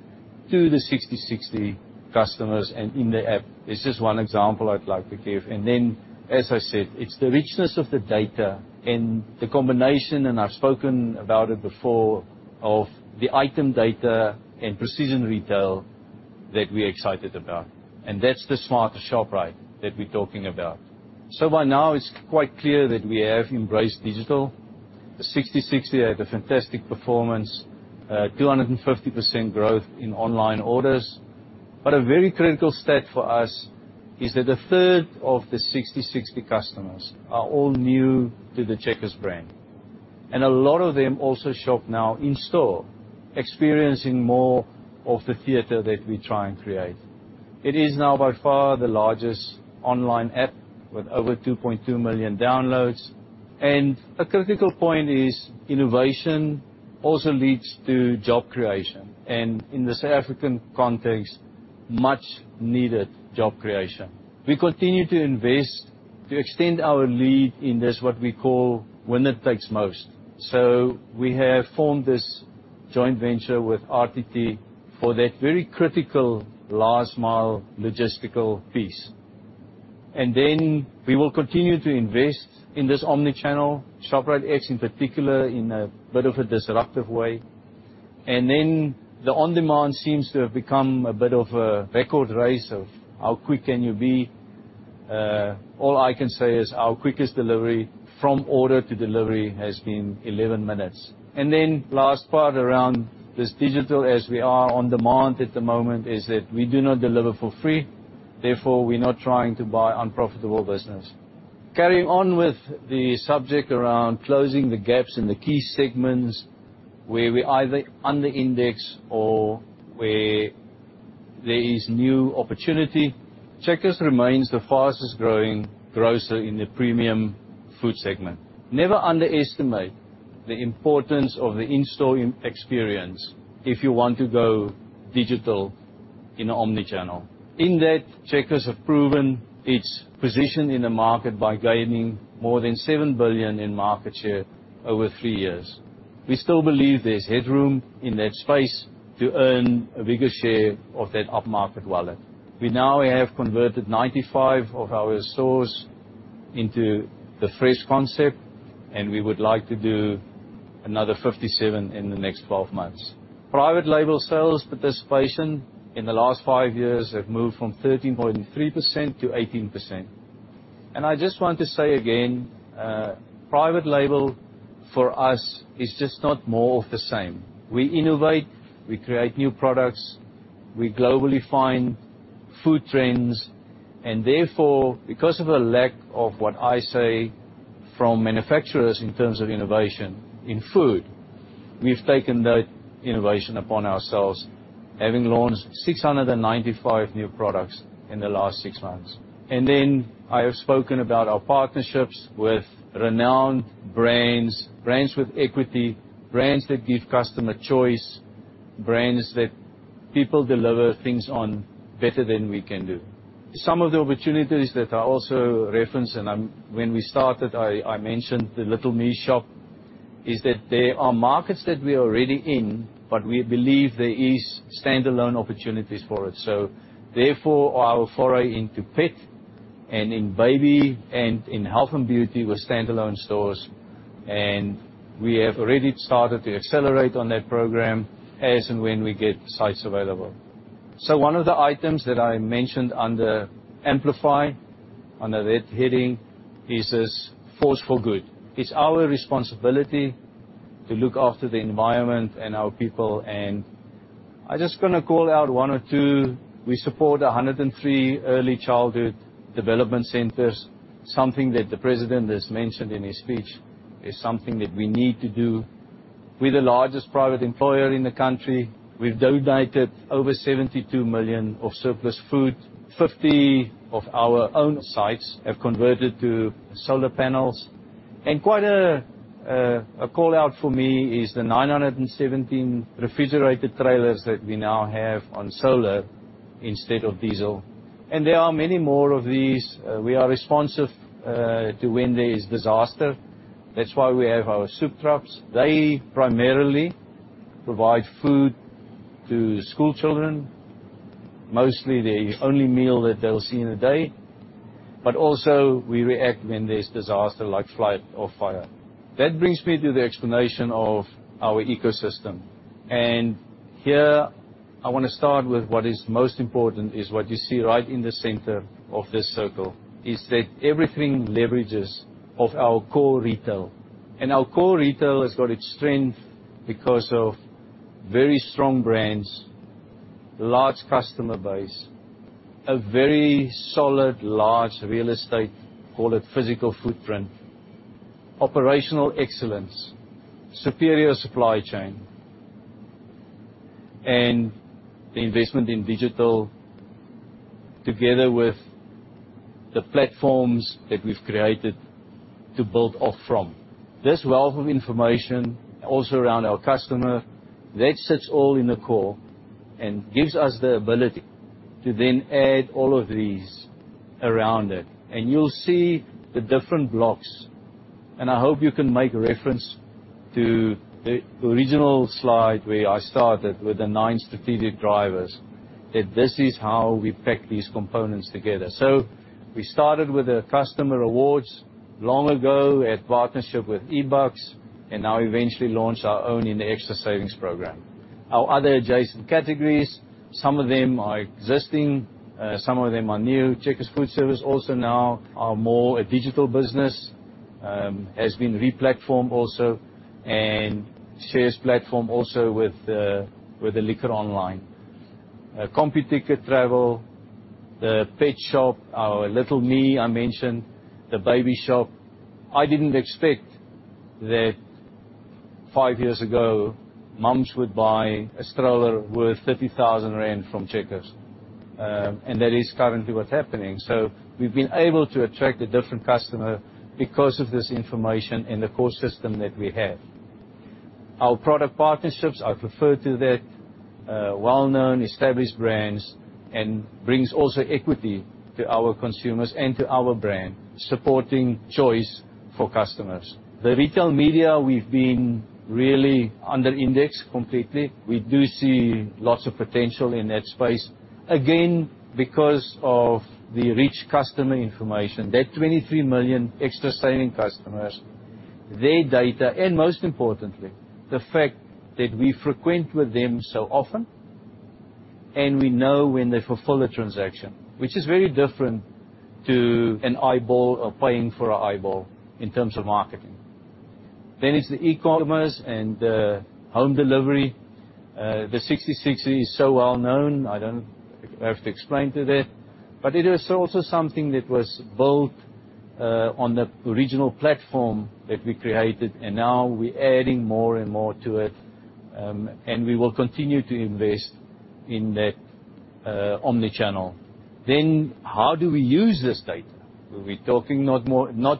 to the Sixty60 customers and in the app. It's just one example I'd like to give. As I said, it's the richness of the data and the combination, and I've spoken about it before, of the item data and precision retail that we're excited about. That's the smarter Shoprite that we're talking about. By now it's quite clear that we have embraced digital. The Sixty60 had a fantastic performance, 250% growth in online orders. A very critical stat for us is that a third of the Sixty60 customers are all new to the Checkers brand. A lot of them also shop now in store, experiencing more of the theater that we try and create. It is now by far the largest online app with over 2.2 million downloads. A critical point is innovation also leads to job creation, and in the South African context, much needed job creation. We continue to invest to extend our lead in this what we call winner takes most. We have formed this joint venture with RTT for that very critical last mile logistical piece. We will continue to invest in this omni-channel, ShopriteX in particular, in a bit of a disruptive way. The on-demand seems to have become a bit of a record race of how quick can you be. All I can say is our quickest delivery from order to delivery has been 11 minutes. Last part around this digital as we are on-demand at the moment is that we do not deliver for free. Therefore, we're not trying to buy unprofitable business. Carrying on with the subject around closing the gaps in the key segments where we either under index or where there is new opportunity. Checkers remains the fastest-growing grocer in the premium food segment. Never underestimate the importance of the in-store experience if you want to go digital in omni-channel. In that, Checkers have proven its position in the market by gaining more than 7 billion in market share over three years. We still believe there's headroom in that space to earn a bigger share of that up-market wallet. We now have converted 95 of our stores into the fresh concept, and we would like to do another 57 in the next 12 months. Private label sales participation in the last five years have moved from 13.3%-18%. I just want to say again, private label for us is just not more of the same. We innovate, we create new products, we globally find food trends, and therefore, because of a lack of what I say from manufacturers in terms of innovation in food, we've taken that innovation upon ourselves, having launched 695 new products in the last six months. I have spoken about our partnerships with renowned brands with equity, brands that give customer choice, brands that people deliver things on better than we can do. Some of the opportunities that I also referenced, when we started, I mentioned the Little Me shop, is that there are markets that we are already in, but we believe there is standalone opportunities for it. Therefore, our foray into pet and in baby and in health and beauty with standalone stores, and we have already started to accelerate on that program as and when we get sites available. One of the items that I mentioned under amplify, under that heading, is this force for good. It's our responsibility to look after the environment and our people, and I just gonna call out one or two. We support 103 early childhood development centers, something that the President has mentioned in his speech, is something that we need to do. We're the largest private employer in the country. We've donated over 72 million of surplus food. 50 of our own sites have converted to solar panels. Quite a call-out for me is the 917 refrigerated trailers that we now have on solar instead of diesel. There are many more of these. We are responsive to when there is disaster. That's why we have our soup trucks. They primarily provide food to school children. Mostly the only meal that they'll see in a day. We also react when there's disaster like flood or fire. That brings me to the explanation of our ecosystem. Here, I wanna start with what is most important is what you see right in the center of this circle, is that everything leverages off our core retail. Our core retail has got its strength because of very strong brands, large customer base, a very solid, large real estate, call it physical footprint, operational excellence, superior supply chain, and the investment in digital together with the platforms that we've created to build off from. This wealth of information also around our customer, that sits all in the core and gives us the ability to then add all of these around it. You'll see the different blocks, and I hope you can make reference to the original slide where I started with the nine strategic drivers, that this is how we pack these components together. We started with the customer rewards long ago. We had partnership with eBucks and now eventually launched our own in the Xtra Savings program. Our other adjacent categories, some of them are existing, some of them are new. Checkers Food Services also now are more a digital business, has been re-platformed also and shares platform also with the LiquorShop Online. Computicket Travel, the Petshop Science, our Little Me, I mentioned, the baby shop. I didn't expect that five years ago moms would buy a stroller worth 30,000 rand from Checkers, and that is currently what's happening. We've been able to attract a different customer because of this information and the core system that we have. Our product partnerships, I've referred to that, well-known established brands and brings also equity to our consumers and to our brand, supporting choice for customers. The retail media we've been really under index completely. We do see lots of potential in that space. Again, because of the rich customer information. That 23 million Xtra Savings customers, their data, and most importantly, the fact that we frequent with them so often, and we know when they fulfill a transaction, which is very different to an eyeball or paying for a eyeball in terms of marketing. It's the e-commerce and the home delivery. The Sixty60 is so well-known, I don't have to explain that. But it is also something that was built on the original platform that we created, and now we're adding more and more to it. We will continue to invest in that omni-channel. How do we use this data? We're talking not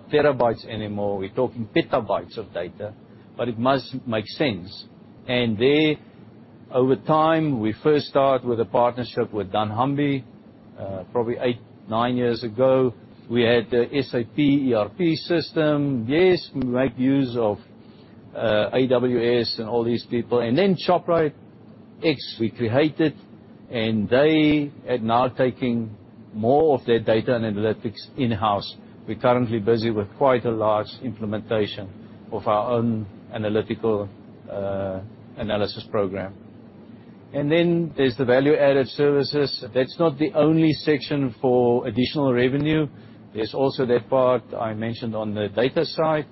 terabytes anymore, we're talking petabytes of data, but it must make sense. There, over time, we first start with a partnership with dunnhumby, probably eight to nine years ago. We had the SAP ERP system. Yes, we make use of AWS and all these people. ShopriteX we created, and they are now taking more of their data and analytics in-house. We're currently busy with quite a large implementation of our own analytical analysis program. There's the value-added services. That's not the only section for additional revenue. There's also that part I mentioned on the data side.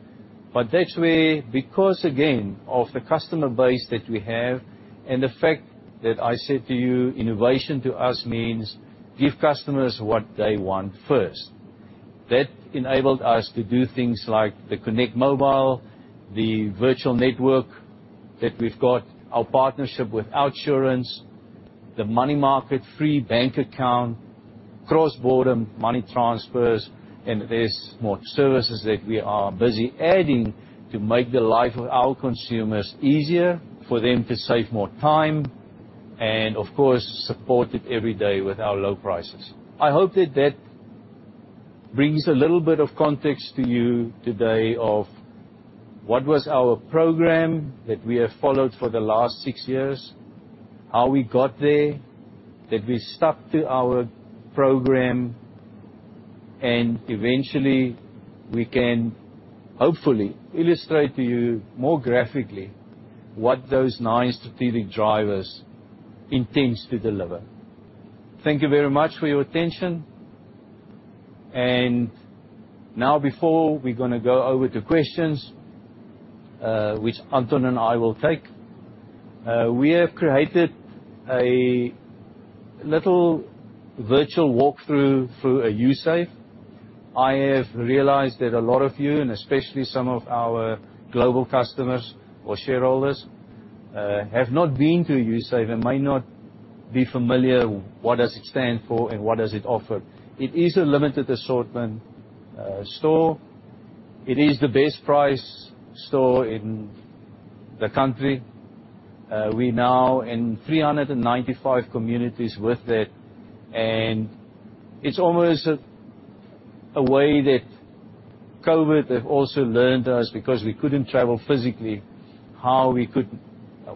That's where, because again, of the customer base that we have and the fact that I said to you, innovation to us means give customers what they want first. That enabled us to do things like the k'nect mobile, the virtual network that we've got, our partnership with OUTsurance, the Money Market free bank account, cross-border money transfers, and there's more services that we are busy adding to make the life of our consumers easier, for them to save more time and of course, support it every day with our low prices. I hope that that brings a little bit of context to you today of what was our program that we have followed for the last six years, how we got there, that we stuck to our program, and eventually we can hopefully illustrate to you more graphically what those nine strategic drivers intends to deliver. Thank you very much for your attention. Now before we're gonna go over to questions, which Anton and I will take, we have created a little virtual walkthrough through a Usave. I have realized that a lot of you, and especially some of our global customers or shareholders, have not been to a Usave and may not be familiar what does it stand for and what does it offer. It is a limited assortment store. It is the best price store in the country. We're now in 395 communities with that, and it's almost a One way that COVID has also taught us because we couldn't travel physically, how we could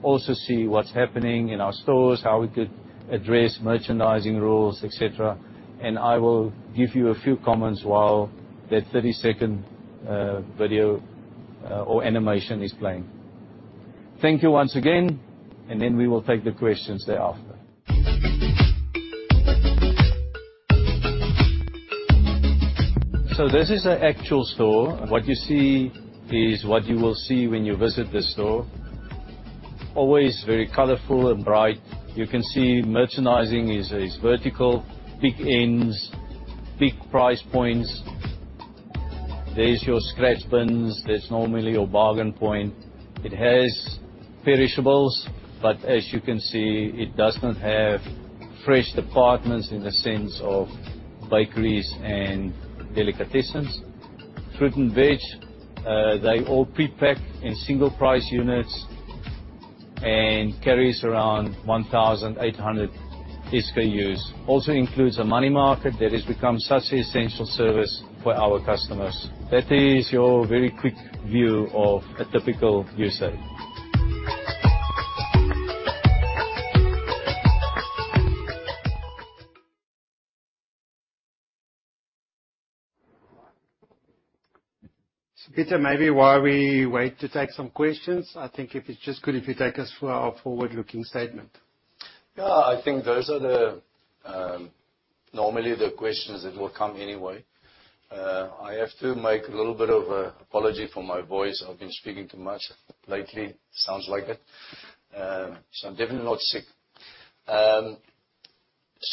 also see what's happening in our stores, how we could address merchandising rules, et cetera. I will give you a few comments while that 30-second video or animation is playing. Thank you once again, and then we will take the questions thereafter. This is an actual store. What you see is what you will see when you visit the store. Always very colorful and bright. You can see merchandising is vertical, big ends, big price points. There's your scratch bins. There's normally your bargain point. It has perishables, but as you can see, it does not have fresh departments in the sense of bakeries and delicatessens. Fruit and veg, they all pre-pack in single price units and carry around 1,800 SKUs. Also includes a Money Market that has become such an essential service for our customers. That is your very quick view of a typical user. Pieter, maybe while we wait to take some questions, I think it'd be just good if you take us through our forward-looking statement. Yeah, I think those are the normally the questions that will come anyway. I have to make a little bit of a apology for my voice. I've been speaking too much lately, sounds like it. So I'm definitely not sick.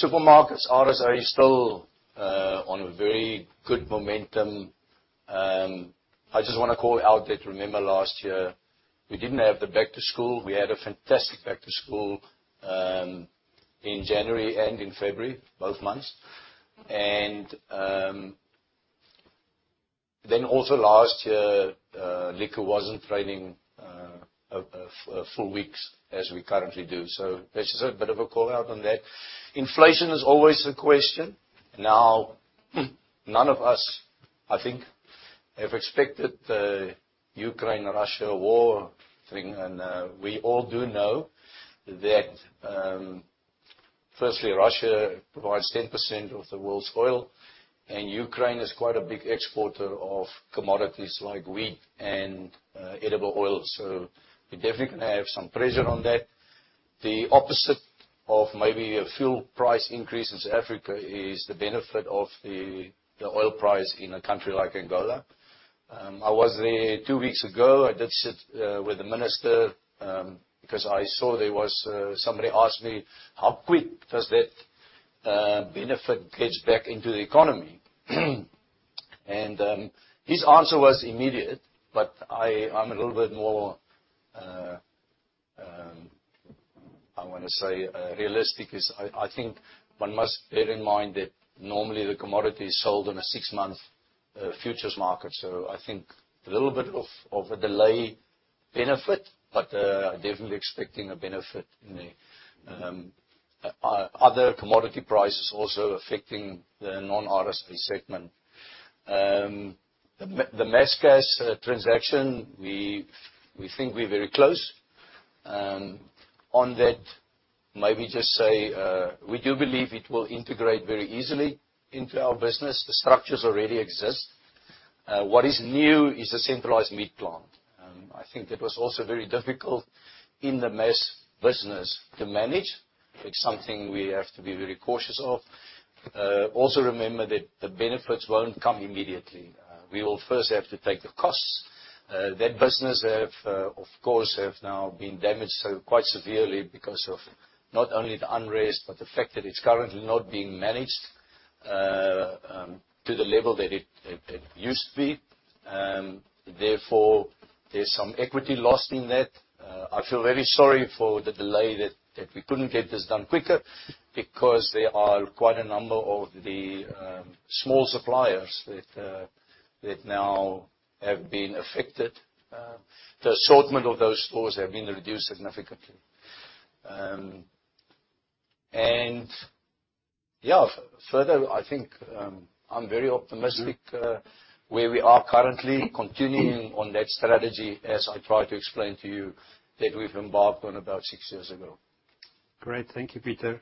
Supermarkets, RSA is still on a very good momentum. I just wanna call out that remember last year, we didn't have the back to school. We had a fantastic back to school in January and in February, both months. Then also last year, liquor wasn't trading four weeks as we currently do. So that's just a bit of a call-out on that. Inflation is always a question. Now, none of us, I think, have expected the Ukraine-Russia war thing, and we all do know that, firstly, Russia provides 10% of the world's oil, and Ukraine is quite a big exporter of commodities like wheat and edible oil. So we're definitely gonna have some pressure on that. The opposite of maybe a fuel price increase in South Africa is the benefit of the oil price in a country like Angola. I was there two weeks ago. I did sit with the minister because I saw there was somebody asked me, "How quick does that benefit get back into the economy?" His answer was immediate, but I'm a little bit more, I wanna say, realistic is I think one must bear in mind that normally the commodity is sold on a six-month futures market, so I think a little bit of a delay benefit, but definitely expecting a benefit in the other commodity prices also affecting the non-RSA segment. The Masscash transaction, we think we're very close. On that, maybe just say, we do believe it will integrate very easily into our business. The structures already exist. What is new is the centralized meat plant. I think that was also very difficult in the Masscash business to manage. It's something we have to be very cautious of. Also remember that the benefits won't come immediately. We will first have to take the costs. That business have, of course, have now been damaged so quite severely because of not only the unrest but the fact that it's currently not being managed to the level that it used to be. Therefore, there's some equity lost in that. I feel very sorry for the delay that we couldn't get this done quicker because there are quite a number of the small suppliers that now have been affected. The assortment of those stores have been reduced significantly. Yeah, further, I think, I'm very optimistic where we are currently continuing on that strategy as I tried to explain to you that we've embarked on about six years ago. Great. Thank you, Pieter.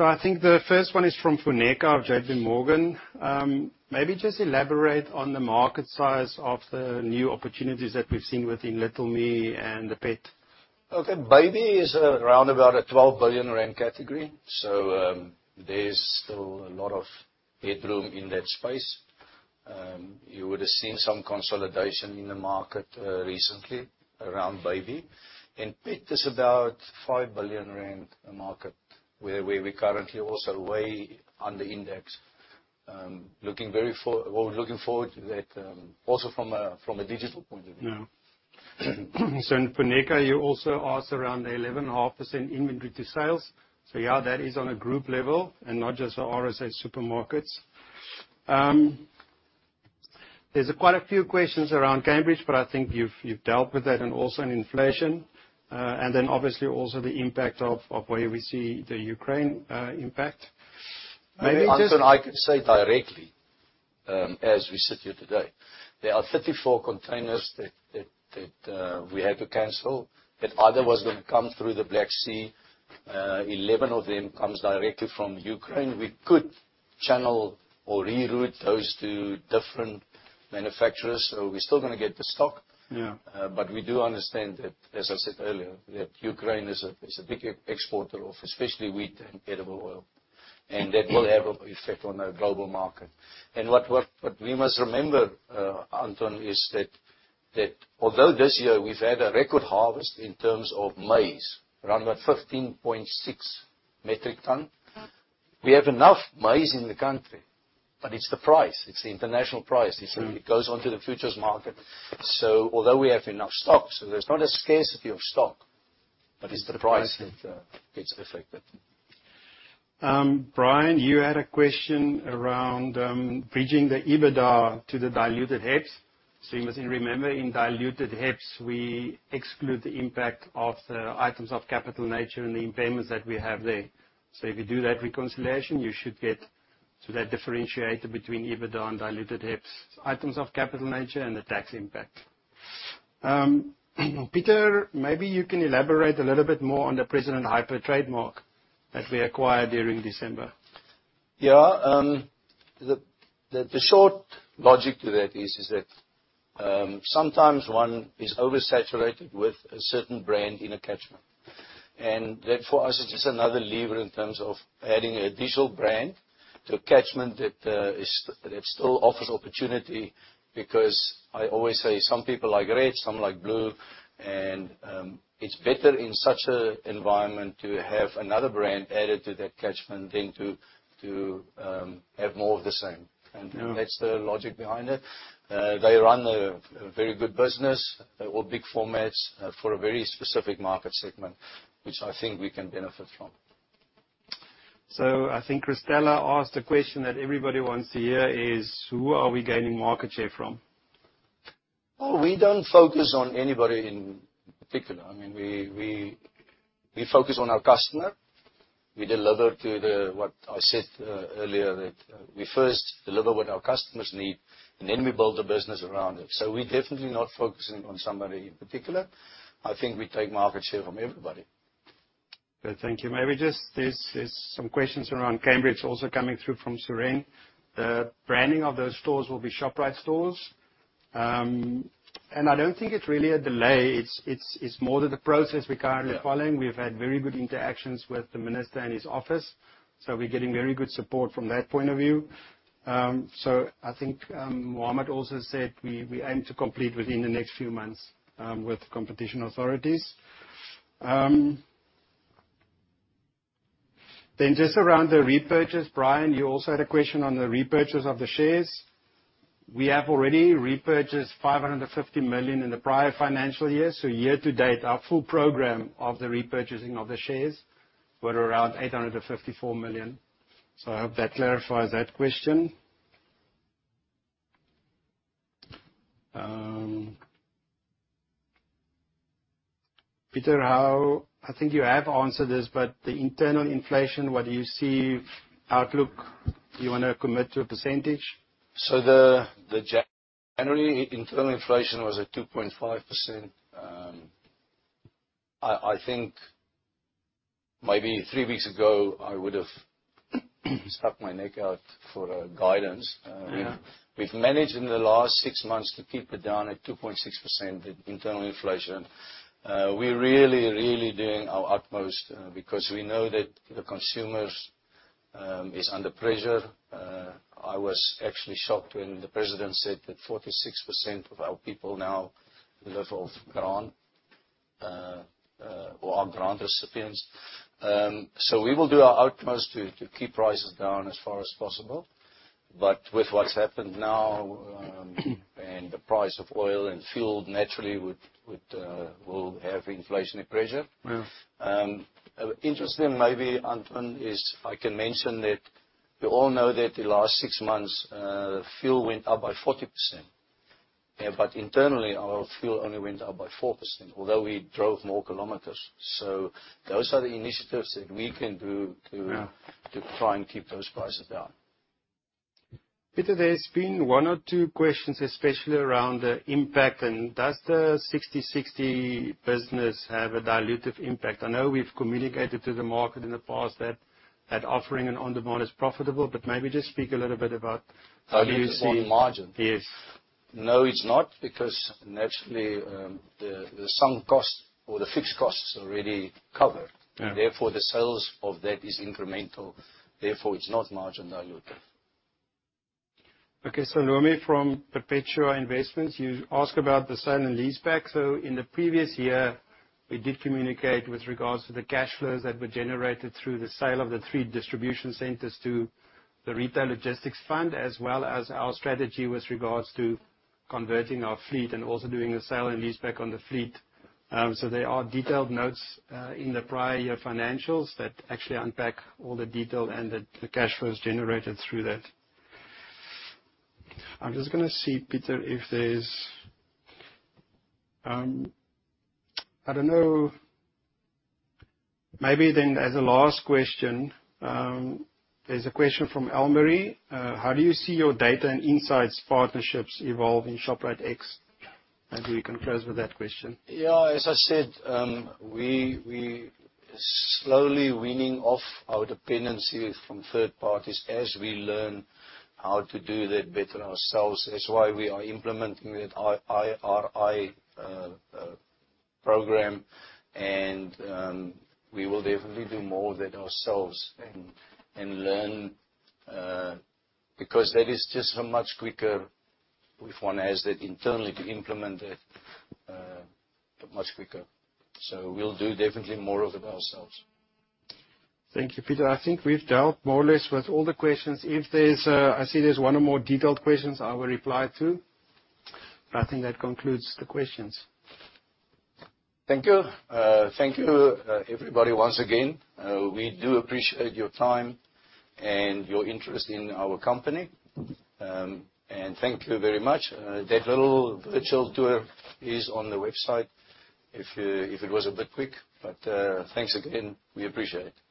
I think the first one is from Funeka of J.P. Morgan. Maybe just elaborate on the market size of the new opportunities that we've seen within Little Me and Petshop Science? Okay. Baby is around about a 12 billion rand category, so there's still a lot of headroom in that space. You would have seen some consolidation in the market recently around baby. Pet is about 5 billion rand a market where we currently also weigh on the index. Looking forward to that also from a digital point of view. Yeah. Funeka, you also asked around the 11.5% inventory sales. Yeah, that is on a group level and not just for RSA supermarkets. There's quite a few questions around Cambridge, but I think you've dealt with that and also in inflation. Obviously also the impact of where we see the Ukraine impact. Maybe just- Anton, I can say directly, as we sit here today, there are 34 containers that we had to cancel that otherwise would come through the Black Sea. 11 of them comes directly from Ukraine. We could channel or reroute those to different manufacturers. We're still gonna get the stock. Yeah. We do understand that, as I said earlier, that Ukraine is a big exporter of especially wheat and edible oil, and that will have an effect on the global market. What we must remember, Anton, is that although this year we've had a record harvest in terms of maize, around about 15.6 metric ton. We have enough maize in the country, but it's the price. It's the international price. It's when it goes onto the futures market. Although we have enough stock, there's not a scarcity of stock, but it's the price that gets affected. Brian, you had a question around bridging the EBITDA to the diluted HEPS. You must remember, in diluted HEPS, we exclude the impact of the items of capital nature and the impairments that we have there. If you do that reconciliation, you should get that differentiator between EBITDA and diluted HEPS, items of capital nature and the tax impact. Pieter, maybe you can elaborate a little bit more on the President Hyper trademark that we acquired during December. Yeah. The short logic to that is that sometimes one is oversaturated with a certain brand in a catchment, and therefore for us it's just another lever in terms of adding an additional brand to a catchment that still offers opportunity because I always say some people like red, some like blue, and it's better in such an environment to have another brand added to that catchment than to have more of the same. That's the logic behind it. They run a very good business. They're all big formats for a very specific market segment, which I think we can benefit from. I think Cristella asked a question that everybody wants to hear is, who are we gaining market share from? Oh, we don't focus on anybody in particular. I mean, we focus on our customer. What I said earlier that we first deliver what our customers need, and then we build the business around it. We're definitely not focusing on somebody in particular. I think we take market share from everybody. Good. Thank you. Maybe just there's some questions around Cambridge also coming through from Serene. The branding of those stores will be Shoprite stores. I don't think it's really a delay. It's more of the process we're currently following. We've had very good interactions with the minister and his office, so we're getting very good support from that point of view. I think, Mohammed also said we aim to complete within the next few months, with the competition authorities. Just around the repurchase, Brian, you also had a question on the repurchase of the shares. We have already repurchased 550 million in the prior financial year, so year to date, our full program of the repurchasing of the shares were around 854 million. I hope that clarifies that question. Pieter, I think you have answered this, but the internal inflation, what do you see outlook? Do you wanna commit to a percentage? The January internal inflation was at 2.5%. I think maybe three weeks ago I would have stuck my neck out for a guidance. We've managed in the last six months to keep it down at 2.6%, the internal inflation. We're really, really doing our utmost because we know that the consumers is under pressure. I was actually shocked when the president said that 46% of our people now live off grant or are grant recipients. We will do our utmost to keep prices down as far as possible. With what's happened now and the price of oil and fuel naturally will have inflationary pressure. Interesting maybe, Anton, is I can mention that you all know that the last six months, fuel went up by 40%. Internally, our fuel only went up by 4%, although we drove more kilometers. Those are the initiatives that we can do to try and keep those prices down. Pieter, there's been one or two questions, especially around the impact and does the Sixty60 business have a dilutive impact? I know we've communicated to the market in the past that offering an on-demand is profitable, but maybe just speak a little bit about how do you see- Oh, you mean on the margin? Yes. No, it's not, because naturally, some costs or the fixed costs are already covered. Therefore, the sales of that is incremental, therefore it's not margin dilutive. Okay. Salomé from Perpetua Investments, you ask about the sale and leaseback. In the previous year, we did communicate with regards to the cash flows that were generated through the sale of the three distribution centers to the Retail Logistics Fund, as well as our strategy with regards to converting our fleet and also doing a sale and leaseback on the fleet. There are detailed notes in the prior year financials that actually unpack all the detail and the cash flows generated through that. I'm just gonna see, Pieter, if there's. I don't know. Maybe then as a last question, there's a question from Elmarie: How do you see your data and insights partnerships evolve in ShopriteX? Maybe we can close with that question. Yeah. As I said, we slowly weaning off our dependency from third parties as we learn how to do that better ourselves. That's why we are implementing that IRI program and we will definitely do more of it ourselves and learn because that is just so much quicker if one has that internally to implement it, but much quicker. We'll do definitely more of it ourselves. Thank you, Pieter. I think we've dealt more or less with all the questions. If there's, I see there's one or more detailed questions I will reply to, but I think that concludes the questions. Thank you. Thank you, everybody, once again. We do appreciate your time and your interest in our company. Thank you very much. That little virtual tour is on the website if it was a bit quick. Thanks again. We appreciate it.